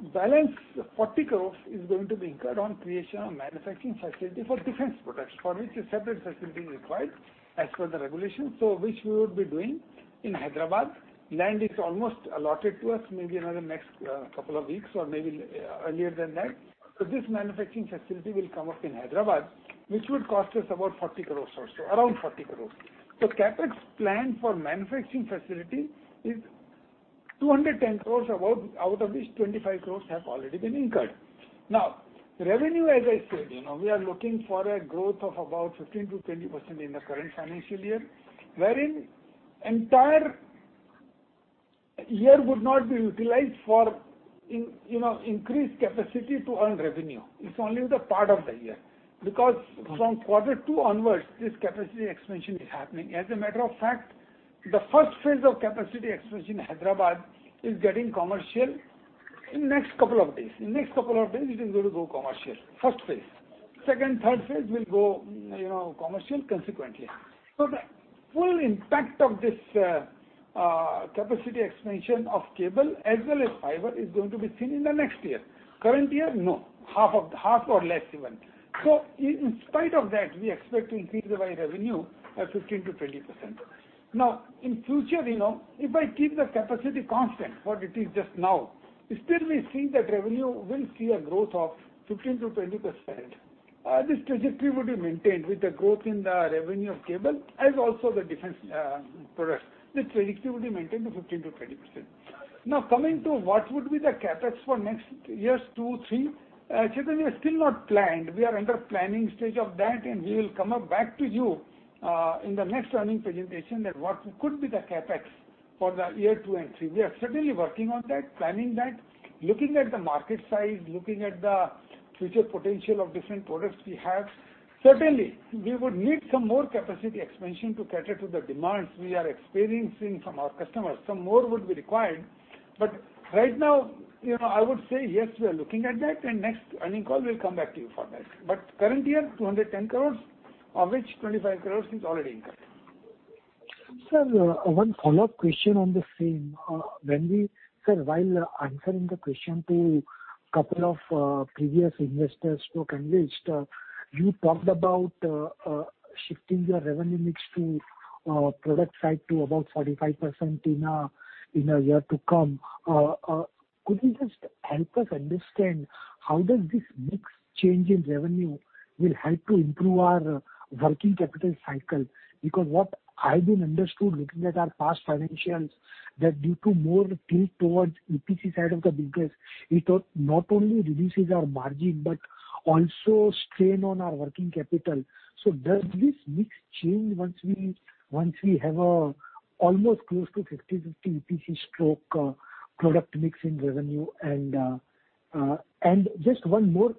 Speaker 3: two, balance 40 crores is going to be incurred on creation of manufacturing facility for defense products, for which a separate facility is required as per the regulations. Which we would be doing in Hyderabad. Land is almost allotted to us, maybe another next couple of weeks or maybe earlier than that. This manufacturing facility will come up in Hyderabad, which would cost us about 40 crores or so, around 40 crores. CapEx plan for manufacturing facility is 210 crores above, out of which 25 crores have already been incurred. Now, revenue, as I said, we are looking for a growth of about 15%-20% in the current financial year, wherein entire year would not be utilized for increased capacity to earn revenue. It's only the part of the year, because from quarter two onwards, this capacity expansion is happening. As a matter of fact, the first phase of capacity expansion in Hyderabad is getting commercial in next couple of days. In next couple of days, it is going to go commercial, first phase. Second phase, third phase will go commercial consequently. The full impact of this capacity expansion of cable as well as fiber is going to be seen in the next year. Current year, no, half or less even. In spite of that, we expect we'll see the revenue at 15%-20%. Now, in future, if I keep the capacity constant, what it is just now, still we've seen the revenue will see a growth of 15%-20%. This trajectory will be maintained with the growth in the revenue of cable and also the defence products. This trajectory will be maintained to 15%-20%. Coming to what would be the CapEx for next years two, three years. Chetan, we have still not planned. We are in the planning stage of that. We will come up back to you in the next earning presentation that what could be the CapEx for the year two and three. We are certainly working on that, planning that, looking at the market size, looking at the future potential of different products we have. Certainly, we would need some more capacity expansion to cater to the demands we are experiencing from our customers. Some more would be required. Right now, I would say, yes, we are looking at that. Next earning call we'll come back to you for that. Current year, 210 crores, of which 25 crores is already incurred.
Speaker 9: Sir, one follow-up question on the same. Sir, while answering the question to a couple of previous investors who conversed, you talked about shifting your revenue mix to product side to about 45% in a year to come. Could you just help us understand how does this mix change in revenue will help to improve our working capital cycle? What I've been understood, looking at our past financials, that due to more tilt towards EPC side of the business, it not only reduces our margin, but also strain on our working capital. Does this mix change once we have a almost close to 50/50 EPC/product mix in revenue? Just one more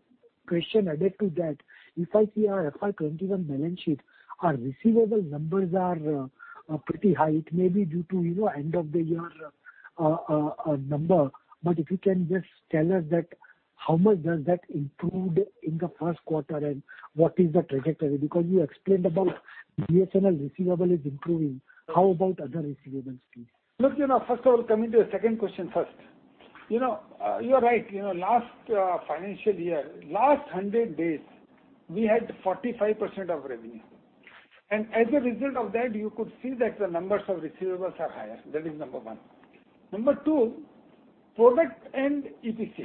Speaker 9: question added to that. If I see our FY 2021 balance sheet, our receivable numbers are pretty high. It may be due to end of the year number. If you can just tell us that how much does that improve in the first quarter, and what is the trajectory? You explained about BSNL receivable is improving. How about other receivables too?
Speaker 3: Look, first of all, coming to the second question first. You're right. Last financial year, last 100 days, we had 45% of revenue. As a result of that, you could see that the numbers of receivables are higher. That is number one. Number two, product and EPC.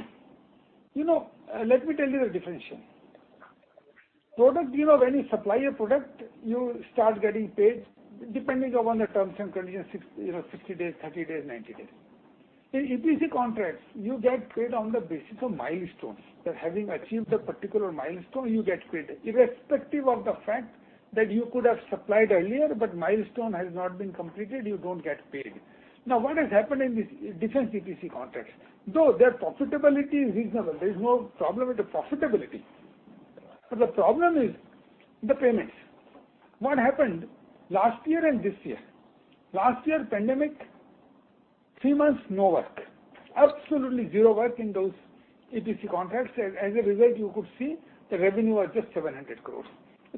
Speaker 3: Let me tell you the differentiation. Product, when you supply a product, you start getting paid depending upon the terms and conditions, 60 days, 30 days, 90 days. In EPC contracts, you get paid on the basis of milestones. That having achieved the particular milestone, you get paid. Irrespective of the fact that you could have supplied earlier, but milestone has not been completed, you don't get paid. What has happened in this defense EPC contracts, though their profitability is reasonable, there's no problem with the profitability. The problem is the payments. What happened last year and this year? Last year pandemic, three months, no work. Absolutely zero work in those EPC contracts, and as a result, you could see the revenue was just 700 crores.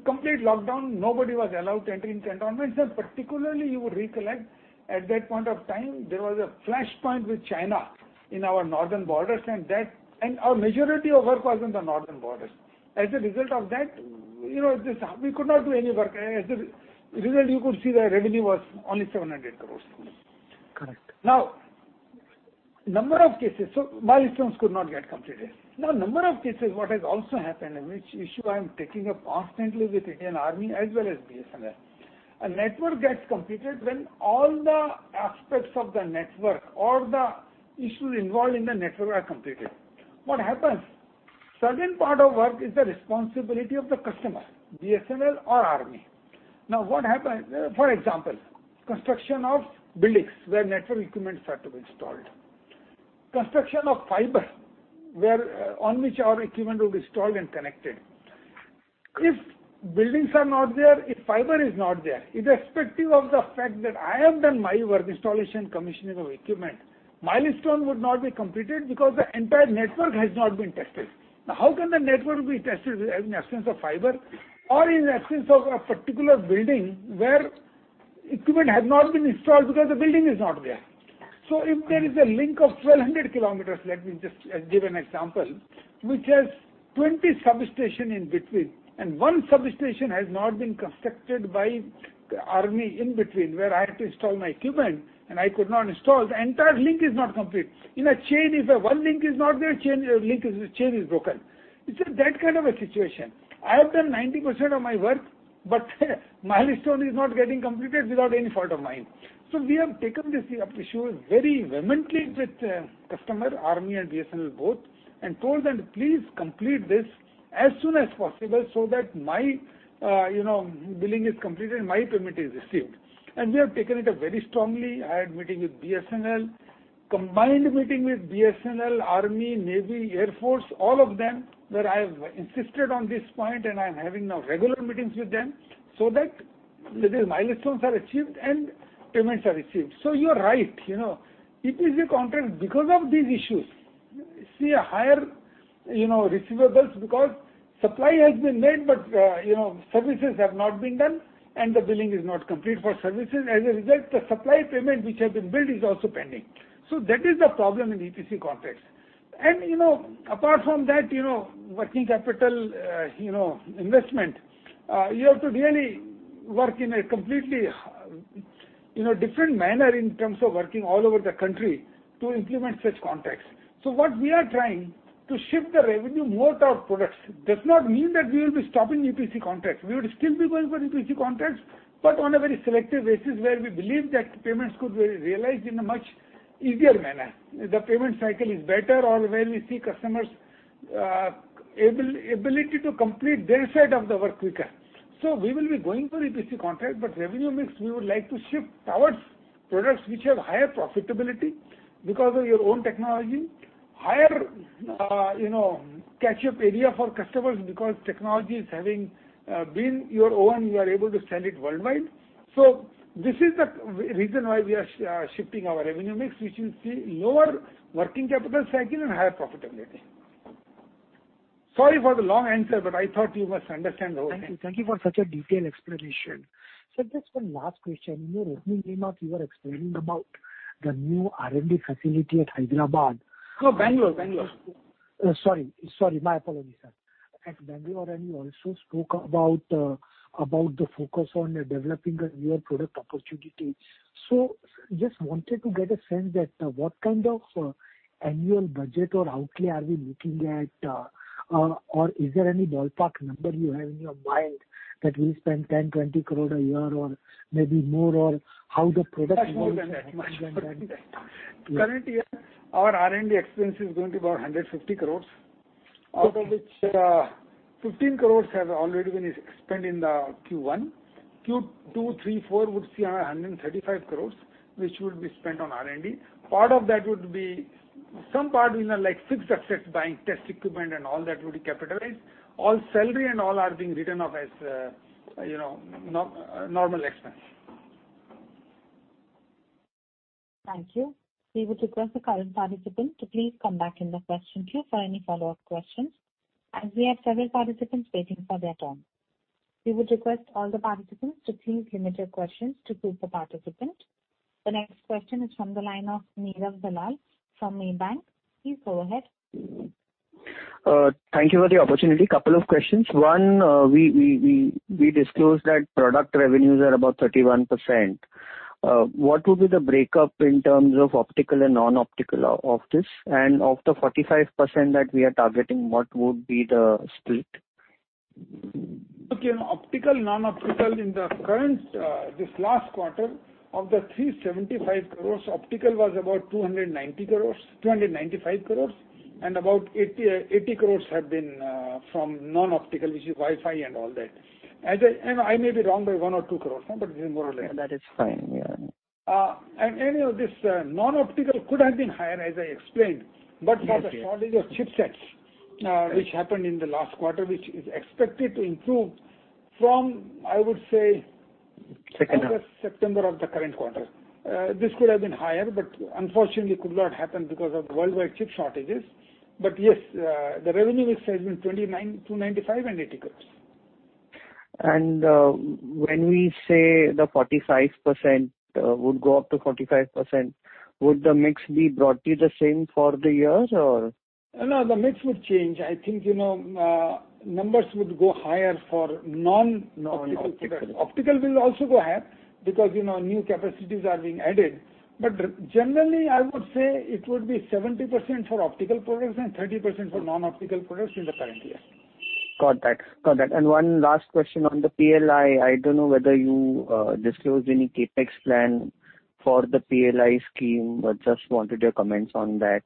Speaker 3: Complete lockdown, nobody was allowed to enter into cantonments, and particularly you would recollect at that point of time, there was a flashpoint with China in our northern borders and our majority of work was in the northern borders. As a result of that, we could not do any work. As a result, you could see the revenue was only 700 crores.
Speaker 9: Correct.
Speaker 3: Milestones could not get completed. Number of cases, what has also happened, and which issue I am taking up constantly with Indian Army as well as BSNL. A network gets completed when all the aspects of the network, all the issues involved in the network are completed. What happens? Certain part of work is the responsibility of the customer, BSNL or Army. What happens? For example, construction of buildings where network equipments are to be installed. Construction of fiber, on which our equipment will be stored and connected. If buildings are not there, if fiber is not there, irrespective of the fact that I have done my work, installation, commissioning of equipment, milestone would not be completed because the entire network has not been tested. How can the network be tested in absence of fiber or in absence of a particular building where equipment has not been installed because the building is not there? If there is a link of 1,200 km, let me just give an example, which has 20 substation in between, and one substation has not been constructed by the army in between where I have to install my equipment and I could not install, the entire link is not complete. In a chain, if one link is not there, chain is broken. It's just that kind of a situation. I have done 90% of my work, but milestone is not getting completed without any fault of mine. We have taken this issue up very vehemently with customer, Army and BSNL both, and told them, please complete this as soon as possible so that my billing is completed and my payment is received. We have taken it up very strongly. I had meeting with BSNL, combined meeting with BSNL, Army, Navy, Air Force, all of them, where I have insisted on this point and I'm having now regular meetings with them so that the milestones are achieved and payments are received. You're right. EPC contract, because of these issues, see higher receivables because supply has been made, but services have not been done and the billing is not complete for services. As a result, the supply payment which has been billed is also pending. That is the problem in EPC contracts. Apart from that, working capital investment, you have to really work in a completely different manner in terms of working all over the country to implement such contracts. What we are trying to shift the revenue more toward products. Does not mean that we will be stopping EPC contracts. We will still be going for EPC contracts, but on a very selective basis where we believe that payments could be realized in a much easier manner. The payment cycle is better or where we see customers' ability to complete their side of the work quicker. We will be going for EPC contract, but revenue mix, we would like to shift towards products which have higher profitability because of your own technology, higher catch-up area for customers because technology is having been your own, you are able to sell it worldwide. This is the reason why we are shifting our revenue mix, which you see lower working capital cycle and higher profitability. Sorry for the long answer, but I thought you must understand the whole thing.
Speaker 9: Thank you for such a detailed explanation. Sir, just one last question? In your opening remarks you were explaining about the new R&D facility at Hyderabad.
Speaker 3: No, Bangalore.
Speaker 9: Sorry. My apologies, sir. At Bangalore, and you also spoke about the focus on developing a new product opportunity. Just wanted to get a sense that what kind of annual budget or outlay are we looking at? Is there any ballpark number you have in your mind that we spend 10 crore, 20 crore a year or maybe more?
Speaker 3: Current year, our R&D expense is going to be 150 crores, out of which 15 crores has already been spent in the Q1. Q2, Q3, Q4 would see around 135 crores, which would be spent on R&D. Some part in the fixed assets, buying test equipment and all that would be capitalized. All salary and all are being written off as normal expense.
Speaker 1: Thank you. We would request the current participant to please come back in the question queue for any follow-up questions, as we have several participants waiting for their turn. We would request all the participants to please limit your questions to keep the participant. The next question is from the line of Neerav Dalal from Maybank, please go ahead.
Speaker 10: Thank you for the opportunity. Couple of questions. one, we disclosed that product revenues are about 31%. What would be the breakup in terms of optical and non-optical of this? Of the 45% that we are targeting, what would be the split?
Speaker 3: Okay. In optical, non-optical in the current, this last quarter of the 375 crores, optical was about 290 crores, 295 crores, and about 80 crores have been from non-optical, which is Wi-Fi and all that. I may be wrong by 1 or 2 crores, but it is more or less.
Speaker 10: That is fine. Yeah.
Speaker 3: This non-optical could have been higher, as I explained.
Speaker 10: Okay
Speaker 3: For the shortage of chipsets, which happened in the last quarter, which is expected to improve from.
Speaker 10: Second half.
Speaker 3: August, September of the current quarter. This could have been higher, but unfortunately could not happen because of worldwide chip shortages. Yes, the revenue itself is INR 295 and it occurs.
Speaker 10: When we say the 45% would go up to 45%, would the mix be broadly the same for the year?
Speaker 3: No, the mix would change. I think numbers would go higher for non-optical.
Speaker 10: Non-optical.
Speaker 3: Optical will also go higher because new capacities are being added. Generally, I would say it would be 70% for optical products and 30% for non-optical products in the current year.
Speaker 10: Got that. One last question on the PLI. I don't know whether you disclosed any CapEx plan for the PLI scheme, just wanted your comments on that.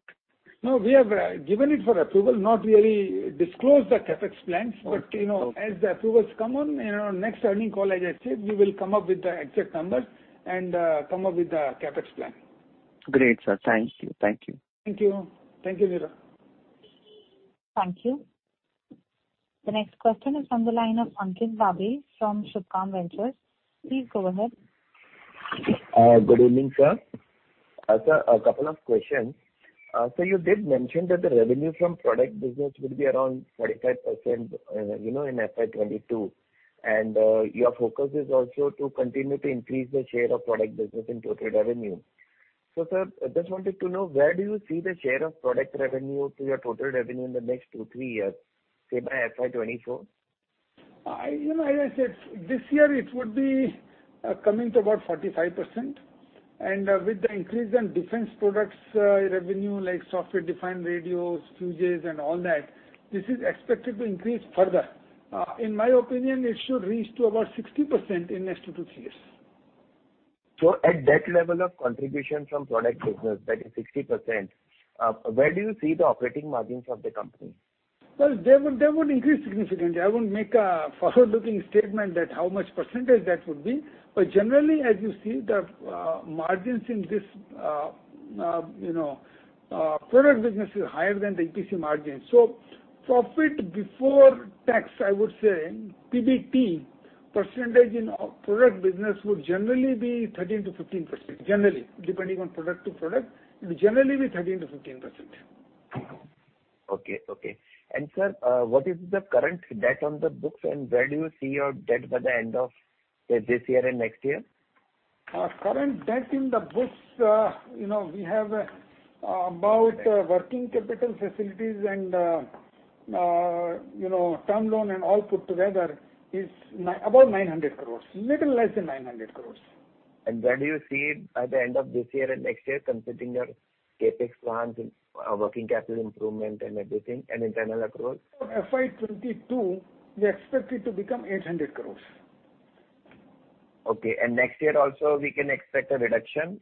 Speaker 3: No, we have given it for approval, not really disclosed the CapEx plans.
Speaker 10: Okay.
Speaker 3: As the approvals come on in our next earnings call, as I said, we will come up with the exact numbers and come up with the CapEx plan.
Speaker 10: Great, sir. Thank you.
Speaker 3: Thank you. Thank you, Neerav.
Speaker 1: Thank you. The next question is on the line of Ankit Babel from Subhkam Ventures, please go ahead.
Speaker 11: Good evening, sir? Sir, a couple of questions. You did mention that the revenue from product business would be around 45% in FY 2022, and your focus is also to continue to increase the share of product business in total revenue. Sir, I just wanted to know, where do you see the share of product revenue to your total revenue in the next two years, three years, say by FY 2024?
Speaker 3: As I said, this year it would be coming to about 45%. With the increase in defense products revenue like software-defined radios, fuses and all that, this is expected to increase further. In my opinion, it should reach to about 60% in next two years-three years.
Speaker 11: At that level of contribution from product business, that is 60%, where do you see the operating margins of the company?
Speaker 3: Well, they would increase significantly. I won't make a forward-looking statement that how much percentage that would be. Generally, as you see, the margins in this product business is higher than the EPC margins. Profit before tax, I would say PBT percentage in product business would generally be 13%-15%, generally, depending on product-to-product. It would generally be 13%-15%.
Speaker 11: Okay. Sir, what is the current debt on the books, and where do you see your debt by the end of, say, this year and next year?
Speaker 3: Current debt in the books, we have about working capital facilities and term loan and all put together is about 900 crores, little less than 900 crores.
Speaker 11: Where do you see it by the end of this year and next year, considering your CapEx plans and working capital improvement and everything, and internal accruals?
Speaker 3: For FY 2022, we expect it to become 800 crores.
Speaker 11: Okay, next year also we can expect a reduction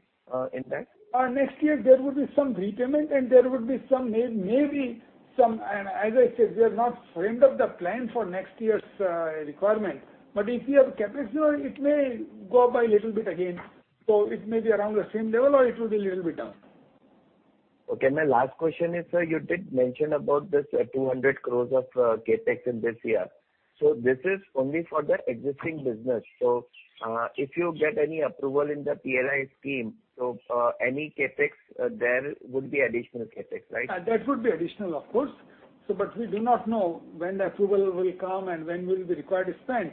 Speaker 11: in that?
Speaker 3: Next year there would be some repayment and there would be maybe, as I said, we have not framed up the plan for next year's requirement. If we have CapEx, it may go up by a little bit again, so it may be around the same level or it will be a little bit down.
Speaker 11: Okay. My last question is, sir, you did mention about this 200 crores of CapEx in this year. This is only for the existing business. If you get any approval in the PLI scheme, so any CapEx there would be additional CapEx, right?
Speaker 3: That would be additional, of course. We do not know when the approval will come and when we'll be required to spend.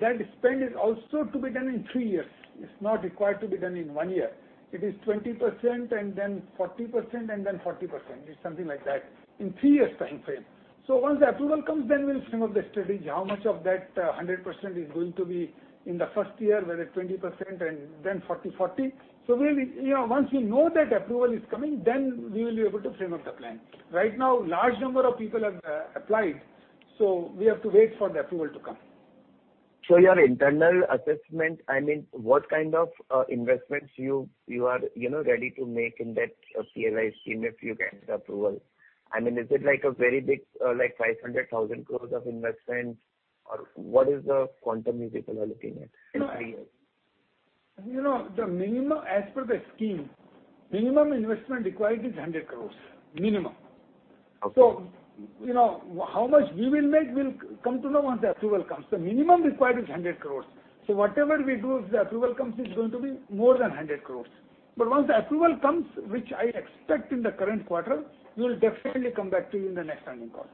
Speaker 3: That spend is also to be done in three years. It's not required to be done in one year. It is 20% and then 40% and then 40%. It's something like that in three years time frame. Once the approval comes, then we'll frame up the strategy, how much of that 100% is going to be in the first year, whether 20% and then 40%, 40%. Once we know that approval is coming, then we will be able to frame up the plan. Right now, large number of people have applied. We have to wait for the approval to come.
Speaker 11: Your internal assessment, I mean, what kind of investments you are ready to make in that PLI scheme if you get the approval? I mean, is it like a very big like 500 crores, 1,000 crores of investment, or what is the quantum you people are looking at in three years?
Speaker 3: As per the scheme, minimum investment required is 100 crores. Minimum.
Speaker 11: Okay.
Speaker 3: How much we will make, we'll come to know once the approval comes. The minimum required is 100 crores. Whatever we do, if the approval comes, it's going to be more than 100 crores. Once the approval comes, which I expect in the current quarter, we'll definitely come back to you in the next earnings call.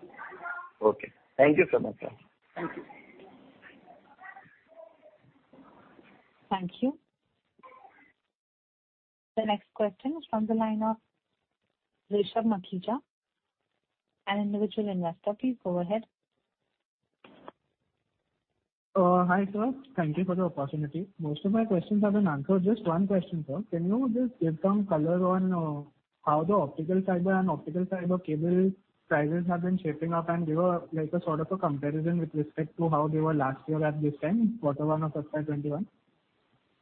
Speaker 11: Okay. Thank you so much, sir.
Speaker 3: Thank you.
Speaker 1: Thank you. The next question is from the line of Rishabh Makhija, an Individual investor. Please go ahead.
Speaker 12: Hi, sir. Thank you for the opportunity. Most of my questions have been answered. Just one question, sir. Can you just give some color on how the optical fiber and optical fiber cable prices have been shaping up, and give a sort of a comparison with respect to how they were last year at this time, quarter one of FY 2021?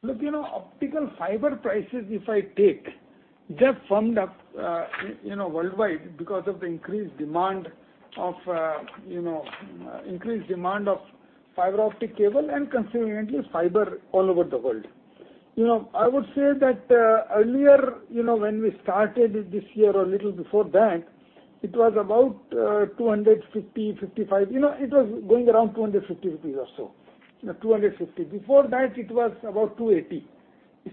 Speaker 3: Look, optical fiber prices, if I take, they have firmed up worldwide because of the increased demand of fiber optic cable and consequently fiber all over the world. I would say that earlier when we started it this year or a little before that, it was about 250, 255. It was going around 250 rupees or so. 250. Before that it was about 280.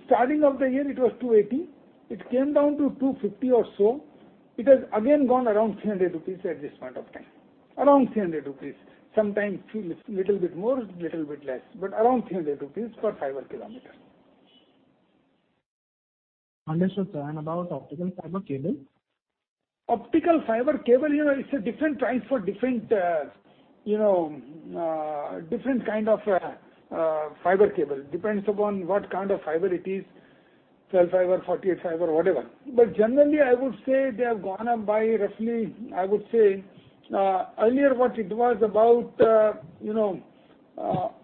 Speaker 3: Starting of the year it was 280. It came down to 250 or so. It has again gone around 300 rupees at this point of time. Around 300 rupees. Sometimes little bit more, little bit less, but around 300 rupees per fiber km.
Speaker 12: Understood, sir. About optical fiber cable?
Speaker 3: Optical fiber cable, it's a different price for different kind of fiber cable. Depends upon what kind of fiber it is, 12 fiber, 48 fiber, whatever. Generally I would say they have gone up by roughly, earlier what it was about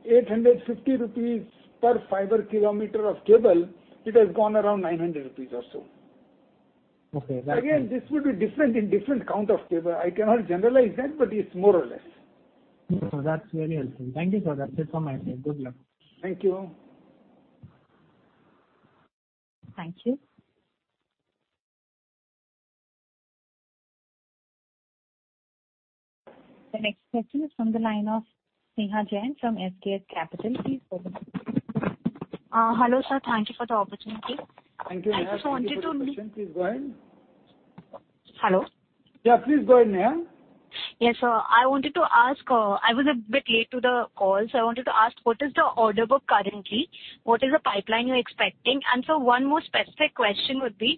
Speaker 3: 850 rupees per fiber km of cable, it has gone around 900 rupees or so.
Speaker 12: Okay.
Speaker 3: This would be different in different count of cable. I cannot generalize that, but it's more or less.
Speaker 12: No, that's very helpful. Thank you, sir. That's it from my side. Good luck.
Speaker 3: Thank you.
Speaker 1: Thank you. The next question is from the line of Sneha Jain from SKS Capital. Please go ahead.
Speaker 13: Hello, sir? Thank you for the opportunity.
Speaker 3: Thank you, Sneha. Thank you for the question. Please, go ahead.
Speaker 13: Hello?
Speaker 3: Yeah, please go ahead, Sneha.
Speaker 13: Yes, sir. I was a bit late to the call, so I wanted to ask, what is the order book currently? What is the pipeline you're expecting? Sir, one more specific question would be,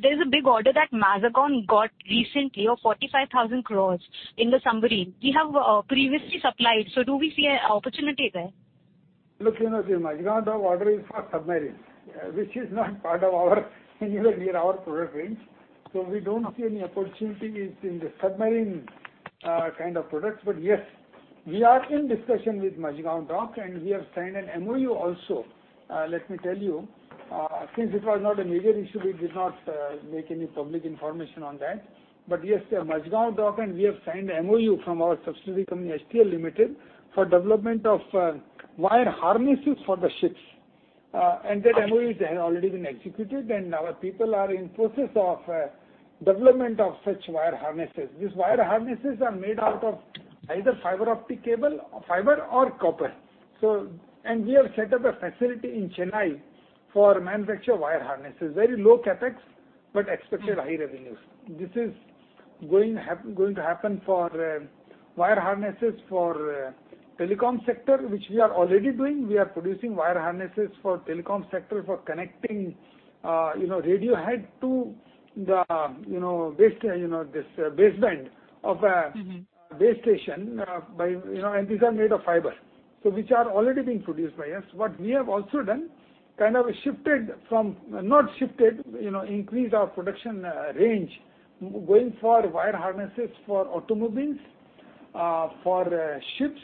Speaker 13: there's a big order that Mazagon got recently of 45,000 crores in the submarine. We have previously supplied, so do we see an opportunity there?
Speaker 3: Sneha, Mazagon Dock order is for submarine, which is not part of our anywhere near our product range. We don't see any opportunity in the submarine kind of products. Yes, we are in discussion with Mazagon Dock and we have signed an MOU also. Let me tell you, since it was not a major issue, we did not make any public information on that. Yes, Mazagon Dock, and we have signed a MOU from our subsidiary company, HTL Limited, for development of wire harnesses for the ships. That MOU has already been executed, and our people are in process of development of such wire harnesses. These wire harnesses are made out of either fiber optic cable, fiber or copper. We have set up a facility in Chennai for manufacture of wire harnesses. Very low CapEx, expected high revenues. This is going to happen for wire harnesses for telecom sector, which we are already doing. We are producing wire harnesses for telecom sector for connecting radio head to this base-band of a base station, and these are made of fiber. Which are already being produced by us. What we have also done, increased our production range, going for wire harnesses for automobiles, for ships,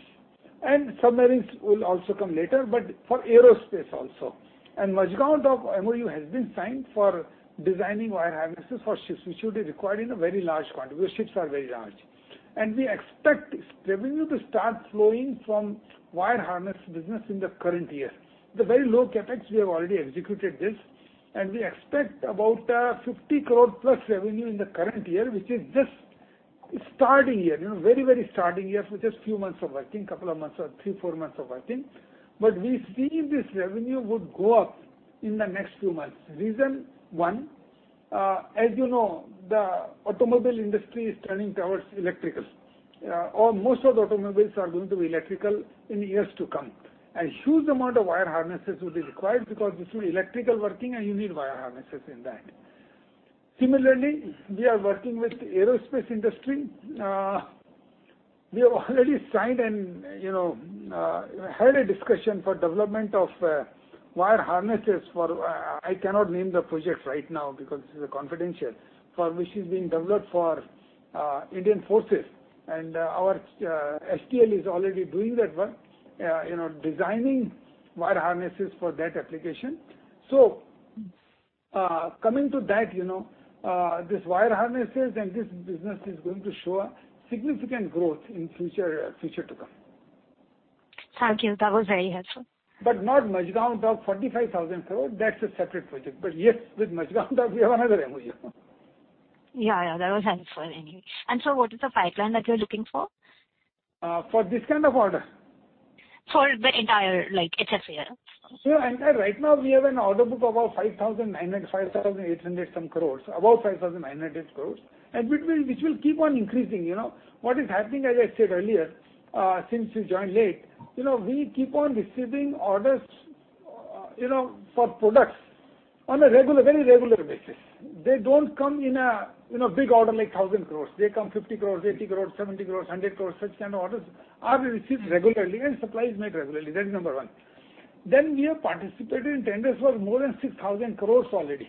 Speaker 3: and submarines will also come later, but for aerospace also. Mazagon Dock MOU has been signed for designing wire harnesses for ships, which would be required in a very large quantity. Because ships are very large. We expect revenue to start flowing from wire harness business in the current year. The very low CapEx, we have already executed this, and we expect about 50 crore plus revenue in the current year, which is just starting year. Very starting year for just few months of working, couple of months or three months, four months of working. We see this revenue would go up in the next few months. Reason one, as you know, the automobile industry is turning towards electrical. Most of the automobiles are going to be electrical in years to come. A huge amount of wire harnesses will be required because this will electrical working and you need wire harnesses in that. Similarly, we are working with aerospace industry. We have already signed and had a discussion for development of wire harnesses for, I cannot name the projects right now because this is a confidential, for which is being developed for Indian forces. Our HTL is already doing that work, designing wire harnesses for that application. Coming to that, these wire harnesses and this business is going to show a significant growth in future to come.
Speaker 13: Thank you. That was very helpful.
Speaker 3: Not Mazagon Dock 45,000 crore. That's a separate project. Yes, with Mazagon Dock, we have another MOU.
Speaker 13: Yeah. That was helpful anyway. Sir, what is the pipeline that you're looking for?
Speaker 3: For this kind of order?
Speaker 13: For the entire, like HFCL.
Speaker 3: Sneha, right now we have an order book of about 5,800 some crores. About 5,900 crores. Which will keep on increasing. What is happening, as I said earlier, since you joined late, we keep on receiving orders for products on a very regular basis. They don't come in a big order like 1,000 crores. They come 50 crores, 80 crores, 70 crores, 100 crores. Such kind of orders are received regularly and supply is made regularly. That is number one. We have participated in tenders for more than 6,000 crores already,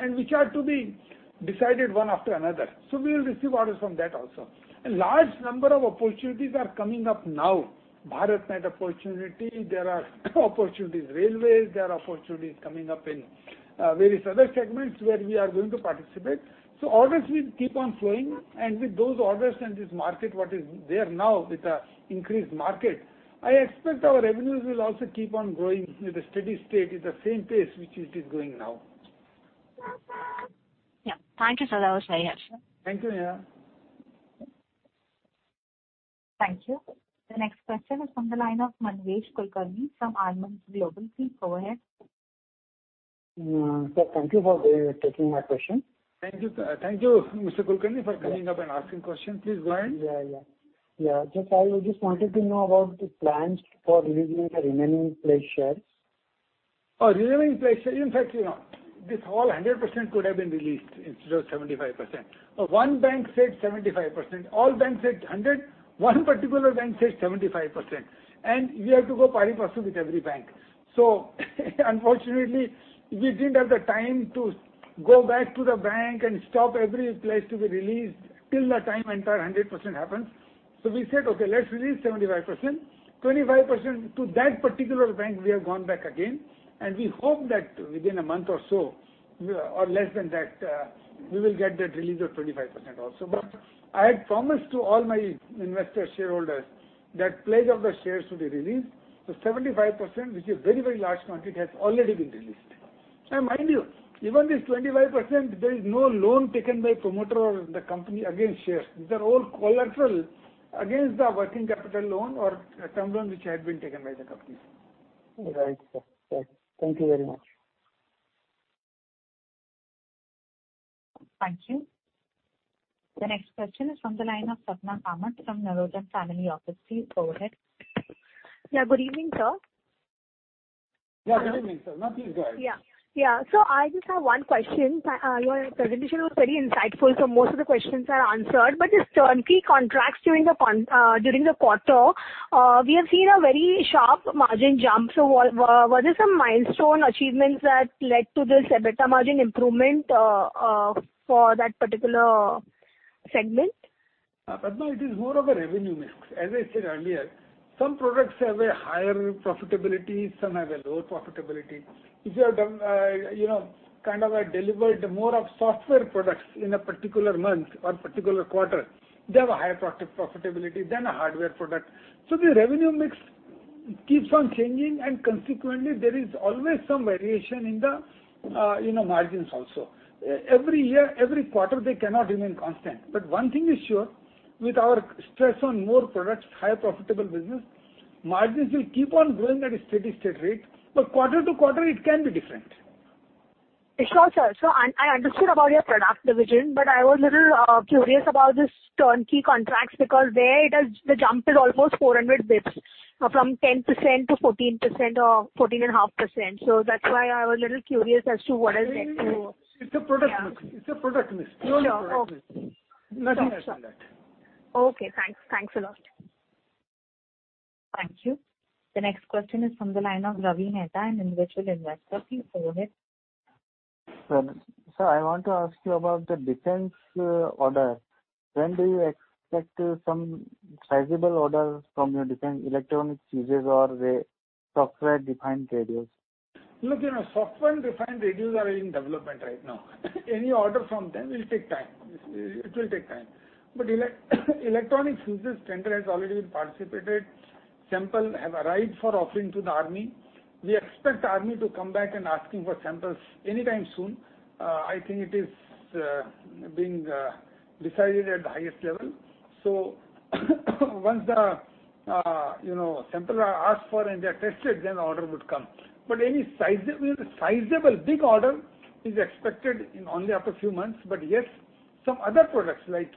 Speaker 3: and which are to be decided one after another. We will receive orders from that also. A large number of opportunities are coming up now. BharatNet opportunity. There are opportunities railways, there are opportunities coming up in various other segments where we are going to participate. Orders will keep on flowing, and with those orders and this market, what is there now with the increased market, I expect our revenues will also keep on growing with a steady state at the same pace which it is going now.
Speaker 13: Yeah. Thank you, sir. That was very helpful.
Speaker 3: Thank you, Sneha.
Speaker 1: Thank you. The next question is from the line of Mangesh Kulkarni from Almondz Global, please go ahead.
Speaker 14: Sir, thank you for taking my question.
Speaker 3: Thank you, Mr. Kulkarni, for coming up and asking questions. Please go ahead.
Speaker 14: Yeah. I just wanted to know about the plans for releasing the remaining pledged shares.
Speaker 3: Remaining pledged shares. In fact, this whole 100% could have been released instead of 75%. One bank said 75%. All banks said 100%, one particular bank said 75%. We have to go pari-passu with every bank. Unfortunately, we didn't have the time to go back to the bank and stop every pledge to be released till the time entire 100% happens. We said, okay, let's release 75%. 25% to that particular bank, we have gone back again, and we hope that within a month or so, or less than that, we will get that release of 25% also. I had promised to all my investor shareholders that pledge of the shares should be released. 75%, which is a very large quantity, has already been released. Mind you, even this 25%, there is no loan taken by promoter or the company against shares. These are all collateral against the working capital loan or term loan which had been taken by the company.
Speaker 14: Right, sir. Thank you very much.
Speaker 1: Thank you. The next question is from the line of Sapna Kamath from Narotam Family Office, please go ahead.
Speaker 15: Yeah. Good evening sir?
Speaker 3: Yeah, good evening.
Speaker 15: I just have one question. Your presentation was very insightful, most of the questions are answered. This turnkey contracts during the quarter, we have seen a very sharp margin jump. Was this a milestone achievement that led to this EBITDA margin improvement for that particular segment?
Speaker 3: Sapna, it is more of a revenue mix. As I said earlier, some products have a higher profitability, some have a lower profitability. If you have delivered more of software products in a particular month or particular quarter, they have a higher profitability than a hardware product. The revenue mix keeps on changing, and consequently, there is always some variation in the margins also. Every year, every quarter, they cannot remain constant. One thing is sure, with our stress on more products, higher profitable business, margins will keep on growing at a steady rate. Quarter-to-quarter, it can be different.
Speaker 15: Sure, sir. I understood about your product division, but I was little curious about this Turnkey contracts, because there, the jump is almost 400 basis points, from 10% to 14% or 14.5%. That's why I was a little curious as to what has led to-
Speaker 3: It's a product mix.
Speaker 15: Sure. Okay.
Speaker 3: Nothing else than that.
Speaker 15: Okay, thanks. Thanks a lot.
Speaker 1: Thank you. The next question is from the line of Ravi Mehta, an Individual investor, please go ahead.
Speaker 16: Sir, I want to ask you about the defense order. When do you expect some sizable orders from your defense electronic fuses or software-defined radios?
Speaker 3: Software-defined radios are in development right now. Any order from them will take time. It will take time. Electronic fuses tender has already been participated. Samples have arrived for offering to the army. We expect army to come back and asking for samples anytime soon. I think it is being decided at the highest level. Once the samples are asked for and they're tested, then the order would come. Any sizable, big order is expected only after few months. Yes, some other products like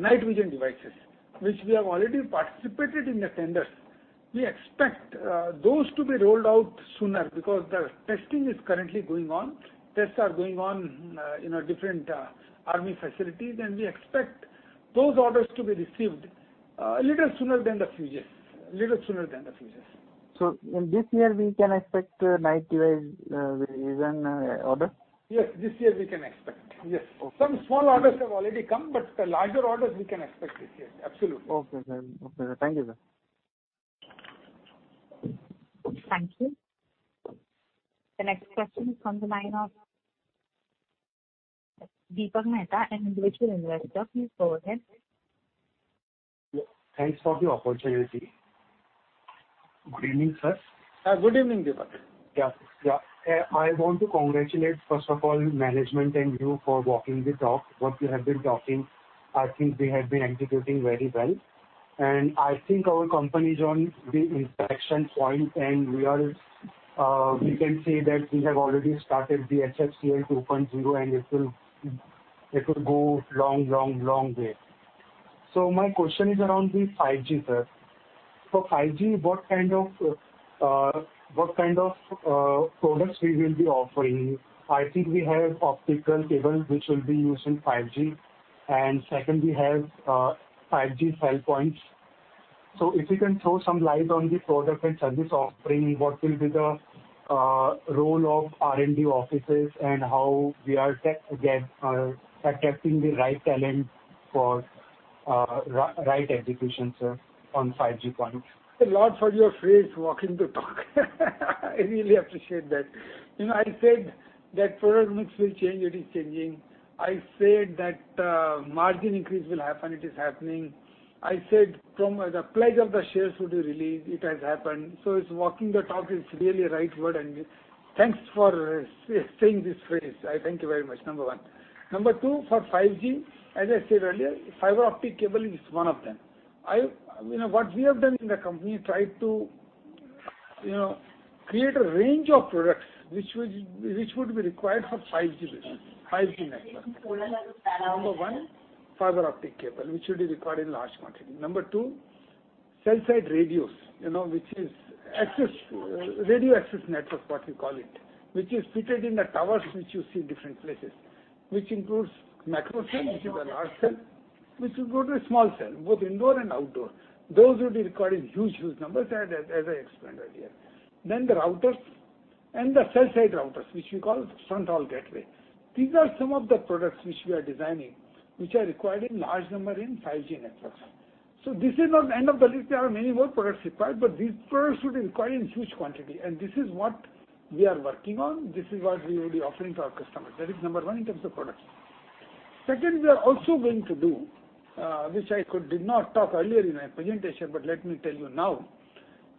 Speaker 3: night vision devices, which we have already participated in the tenders. We expect those to be rolled out sooner because the testing is currently going on. Tests are going on in different army facilities, we expect those orders to be received a little sooner than the fuses.
Speaker 16: In this year, we can expect night vision order?
Speaker 3: Yes, this year we can expect. Yes.
Speaker 16: Okay.
Speaker 3: Some small orders have already come, but the larger orders we can expect this year. Absolutely.
Speaker 16: Okay, sir. Thank you, sir.
Speaker 1: Thank you. The next question is from the line of Deepak Mehta, an Individual investor, please go ahead.
Speaker 17: Thanks for the opportunity. Good evening sir?
Speaker 3: Good evening, Deepak.
Speaker 17: Yeah. I want to congratulate, first of all, management and you for walking the talk. What you have been talking, I think we have been executing very well. Our company is on the interaction point, and we can say that we have already started the HFCL 2.0, and it will go long way. My question is around the 5G, sir. For 5G, what kind of products we will be offering? I think we have optical cable which will be used in 5G. Second, we have 5G cell points. If you can throw some light on the product and service offering, what will be the role of R&D offices and how we are attracting the right talent for right execution, sir, on 5G point?
Speaker 3: A lot for your phrase, walking the talk. I really appreciate that. I said that product mix will change, it is changing. I said that margin increase will happen, it is happening. I said from the pledge of the shares would be released, it has happened. It's walking the talk, it's really a right word. Thanks for saying this phrase. I thank you very much, number one. Number two, for 5G, as I said earlier, optical fiber cable is one of them. What we have done in the company, tried to create a range of products which would be required for 5G business, 5G network. Number one, optical fiber cable, which will be required in large quantity. Number two, cell site radios, which is Radio Access Network, what you call it, which is fitted in the towers which you see in different places, which includes macro cell, which is a large cell, which will go to a small cell, both indoor and outdoor. Those will be required in huge numbers, as I explained earlier. The routers and the cell site routers, which we call front haul gateway. These are some of the products which we are designing, which are required in large number in 5G networks. This is on end of the list. There are many more products required, these products would require in huge quantity, and this is what we are working on. This is what we will be offering to our customer. That is number one in terms of products. Second, we are also going to do, which I did not talk earlier in my presentation, but let me tell you now.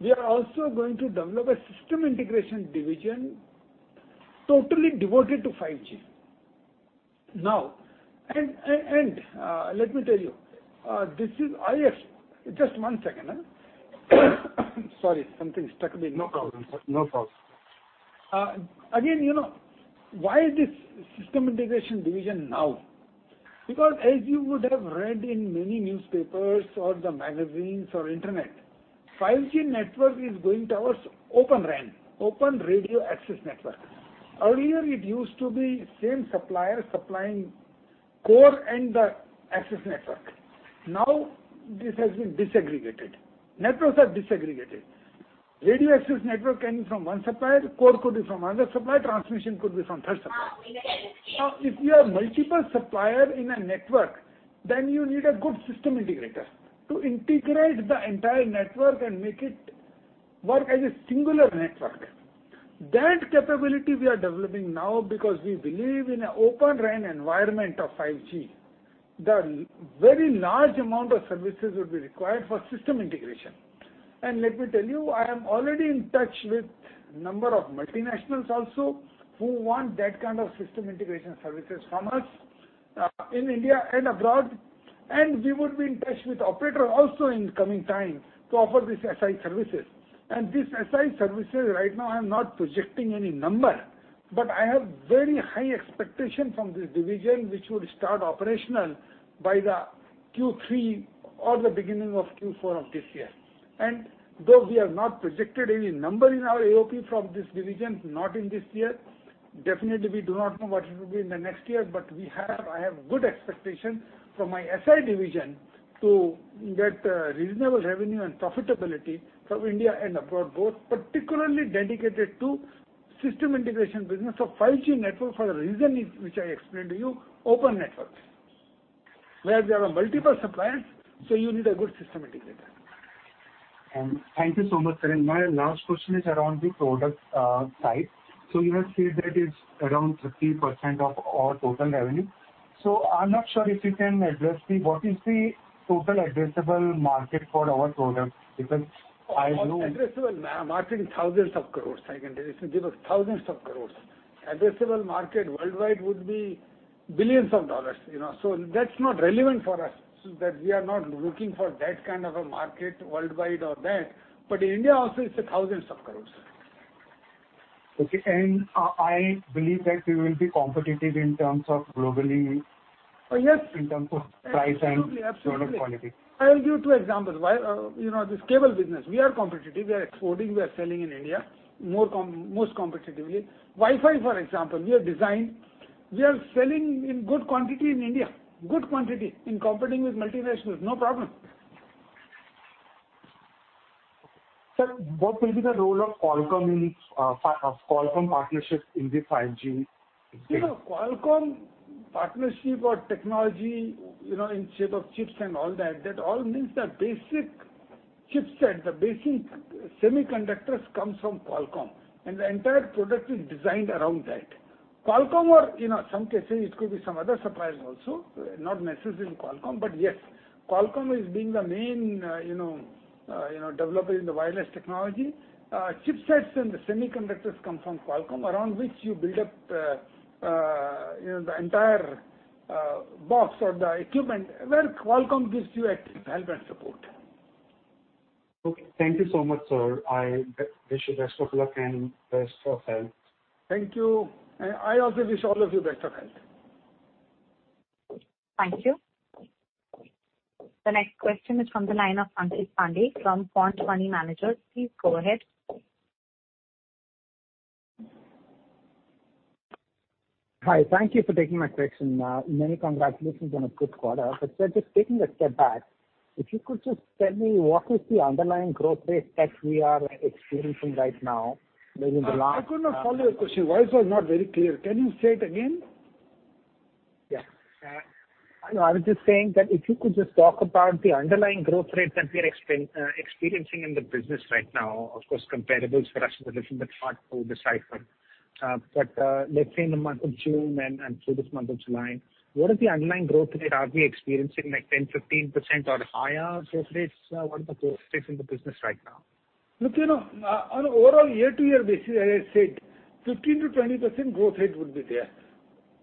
Speaker 3: We are also going to develop a system integration division totally devoted to 5G. Now, let me tell you. Just 1 second. Sorry, something stuck in the throat.
Speaker 17: No problem.
Speaker 3: Again, why this system integration division now? As you would have read in many newspapers or the magazines or internet, 5G network is going towards Open RAN, open radio access network. Earlier, it used to be same supplier supplying core and the access network. This has been disaggregated. Networks are disaggregated. Radio access network can be from one supplier, the core could be from another supplier, transmission could be from third supplier. If you have multiple supplier in a network, then you need a good system integrator to integrate the entire network and make it work as a singular network. That capability we are developing now because we believe in an Open RAN environment of 5G. The very large amount of services will be required for system integration. Let me tell you, I am already in touch with number of multinationals also, who want that kind of system integration services from us, in India and abroad. We would be in touch with operator also in the coming time to offer this SI services. This SI services right now, I'm not projecting any number, but I have very high expectation from this division, which will start operational by the Q3 or the beginning of Q4 of this year. Though we have not projected any number in our AOP from this division, not in this year, definitely we do not know what it will be in the next year. I have good expectation from my SI division to get reasonable revenue and profitability from India and abroad, both particularly dedicated to system integration business of 5G network for the reason which I explained to you, open networks, where there are multiple suppliers. You need a good system integrator.
Speaker 17: Thank you so much, Sir. My last question is around the product side. We have seen that it's around 50% of our total revenue. I'm not sure if you can address me what is the total addressable market for our products?
Speaker 3: Addressable market in thousands of crores, I can tell you. Thousands of crores. Addressable market worldwide would be $ billions. That's not relevant for us, that we are not looking for that kind of a market worldwide or that. India also, it's thousands of crores.
Speaker 17: Okay. I believe that we will be competitive in terms of globally-
Speaker 3: Yes
Speaker 17: In terms of price and product quality.
Speaker 3: Absolutely. I'll give you example. This cable business, we are competitive. We are exporting, we are selling in India, most competitively. Wi-Fi, for example, we have designed. We are selling in good quantity in India. Good quantity and competing with multinationals, no problem.
Speaker 17: Sir, what will be the role of Qualcomm partnership in the 5G business?
Speaker 3: Qualcomm partnership or technology in shape of chips and all that all means the basic chipset, the basic semiconductors comes from Qualcomm, and the entire product is designed around that. In some cases, it could be some other suppliers also, not necessarily Qualcomm. Yes, Qualcomm is being the main developer in the wireless technology. Chipsets and the semiconductors come from Qualcomm, around which you build up the entire box or the equipment, where Qualcomm gives you a help and support.
Speaker 17: Okay. Thank you so much, sir. I wish you best of luck and best of health.
Speaker 3: Thank you. I also wish all of you best of health.
Speaker 1: Thank you. The next question is from the line of Ankit Pande from Quant Money Managers, -please go ahead.
Speaker 18: Hi. Thank you for taking my question. Many congratulations on a good quarter. Sir, just taking a step back, if you could just tell me what is the underlying growth rate that we are experiencing right now within the last.
Speaker 3: I could not follow your question. Voice was not very clear. Can you say it again?
Speaker 18: Yeah. I was just saying that if you could just talk about the underlying growth rate that we are experiencing in the business right now. Of course, comparables for us are a bit difficult to decipher. But let's say in the month of June and through this month of July, what is the underlying growth rate are we experiencing, like 10%, 15% or higher growth rates? What is the growth rate in the business right now?
Speaker 3: Look, overall year-over-year, this is as I said, 15%-20% growth rate would be there.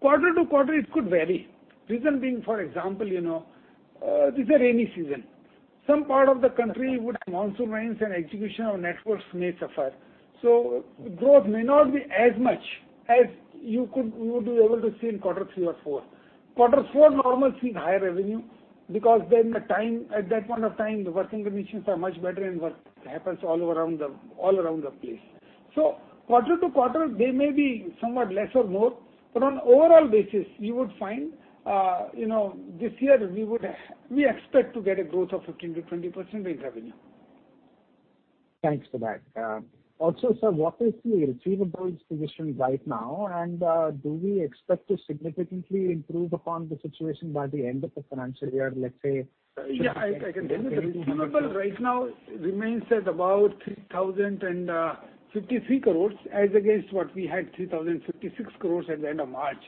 Speaker 3: Quarter-over-quarter, it could vary. Reason being, for example, it's a rainy season. Some part of the country would have monsoon rains and execution of networks may suffer. Growth may not be as much as you would be able to see in quarter three or quarter four. Quarter four normally sees higher revenue because at that point of time, the working conditions are much better and work happens all around the place. Quarter-over-quarter, they may be somewhat less or more, but on overall basis, you would find, this year we expect to get a growth of 15%-20% in revenue.
Speaker 18: Thanks for that. Also, sir, what is the receivables position right now? Do we expect to significantly improve upon the situation by the end of the financial year, let's say?
Speaker 3: I can tell you. Receivable right now remains at about 3,053 crores as against what we had 3,056 crores at the end of March.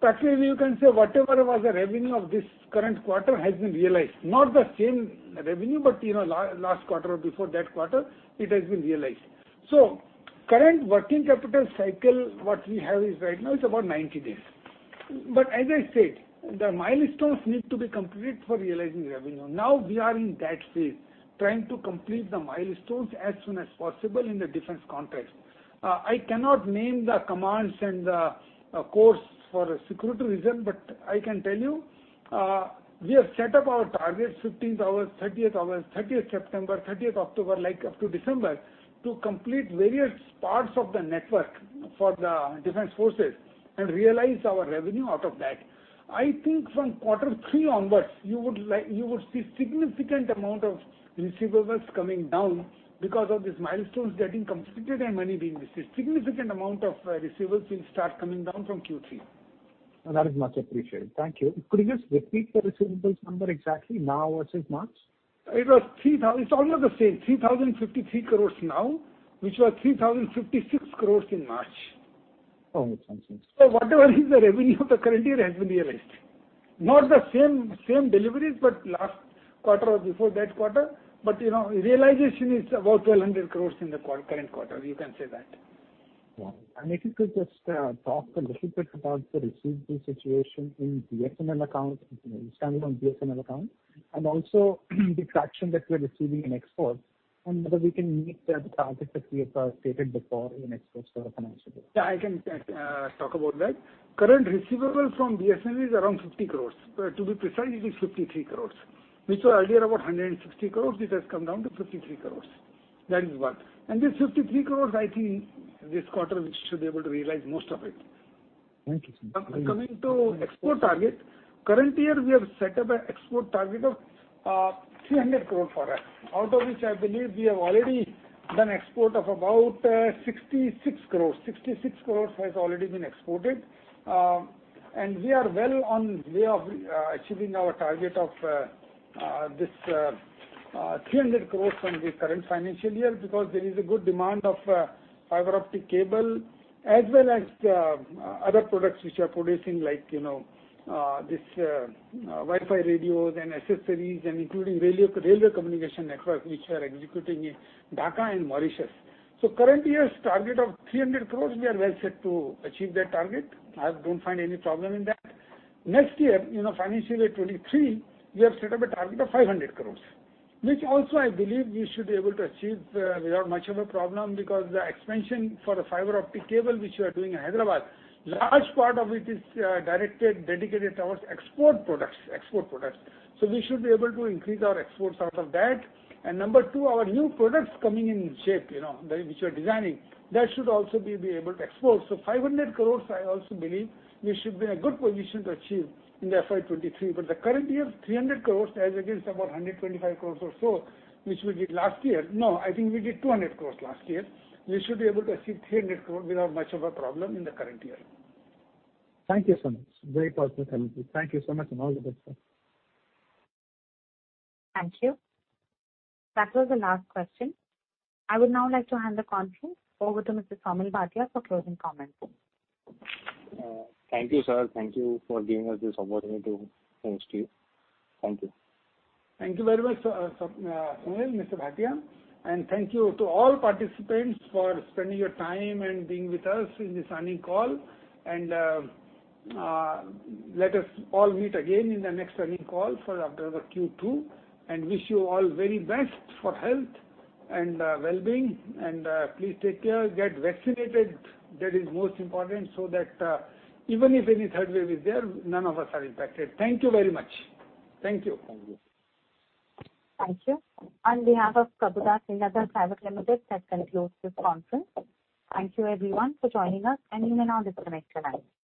Speaker 3: Practically, you can say whatever was the revenue of this current quarter has been realized. Not the same revenue, but last quarter or before that quarter, it has been realized. Current working capital cycle, what we have is right now is about 90 days. As I said, the milestones need to be completed for realizing revenue. Now we are in that phase, trying to complete the milestones as soon as possible in the defense contracts. I cannot name the commands and the course for security reason, but I can tell you, we have set up our targets 15th hour, 30th hour, September 30, October 30, up to December, to complete various parts of the network for the defense forces and realize our revenue out of that. I think from quarter three onwards, you would see significant amount of receivables coming down because of these milestones getting completed and money being received. Significant amount of receivables will start coming down from Q3.
Speaker 18: That is much appreciated. Thank you. Could you just repeat the receivables number exactly now versus March?
Speaker 3: It's almost the same. 3,053 crores now, which was 3,056 crores in March.
Speaker 18: Oh, makes sense.
Speaker 3: Whatever is the revenue of the current year has been realized. Not the same deliveries, but last quarter or before that quarter. Realization is about 1,200 crores in the current quarter, you can say that.
Speaker 18: Yeah. If you could just talk a little bit about the receivables situation in standalone BSNL account, and also the traction that we're receiving in exports, and whether we can meet the targets that we have stated before in exports for the financial year.
Speaker 3: Yeah, I can talk about that. Current receivables from BSNL is around 50 crores. To be precise, it is 53 crores. Which was earlier about 160 crores, it has come down to 50 crores. That is one. This 53 crores, I think this quarter we should be able to realize most of it.
Speaker 18: Thank you, sir.
Speaker 3: Coming to export target, current year, we have set up an export target of 300 crore for us, out of which I believe we have already done export of about 66 crores. 66 crores has already been exported. We are well on way of achieving our target of this 300 crores from the current financial year because there is a good demand of fiber optic cable as well as other products which we are producing like, Wi-Fi radios and accessories and including railway communication network which we are executing in Dhaka and Mauritius. Current year's target of 300 crores, we are well set to achieve that target. I don't find any problem in that. Next year, financial year 2023, we have set up a target of 500 crores. I also believe we should be able to achieve without much of a problem because the expansion for the fiber optic cable which we are doing in Hyderabad, large part of it is dedicated towards export products. We should be able to increase our exports out of that. Number two, our new products coming in shape, which we're designing. That should also be able to export. 500 crore, I also believe we should be in a good position to achieve in the FY 2023, but the current year's 300 crore as against about 125 crore or so, which we did last year. No, I think we did 200 crore last year. We should be able to achieve 300 crore without much of a problem in the current year.
Speaker 18: Thank you so much. Very positive. Thank you so much, and all the best, sir.
Speaker 1: Thank you. That was the last question. I would now like to hand the conference over to Mr. Saumil Bhatia for closing comments.
Speaker 2: Thank you, sir. Thank you for giving us this opportunity. Thanks to you. Thank you.
Speaker 3: Thank you very much, Saumil, Mr. Bhatia. Thank you to all participants for spending your time and being with us in this earning call. Let us all meet again in the next earning call after the Q2, wish you all very best for health and well-being. Please take care, get vaccinated. That is most important so that even if any third wave is there, none of us are impacted. Thank you very much. Thank you.
Speaker 2: Thank you.
Speaker 1: Thank you. On behalf of Prabhudas Lilladher Private Limited, that concludes this conference. Thank you everyone for joining us, you may now disconnect your lines.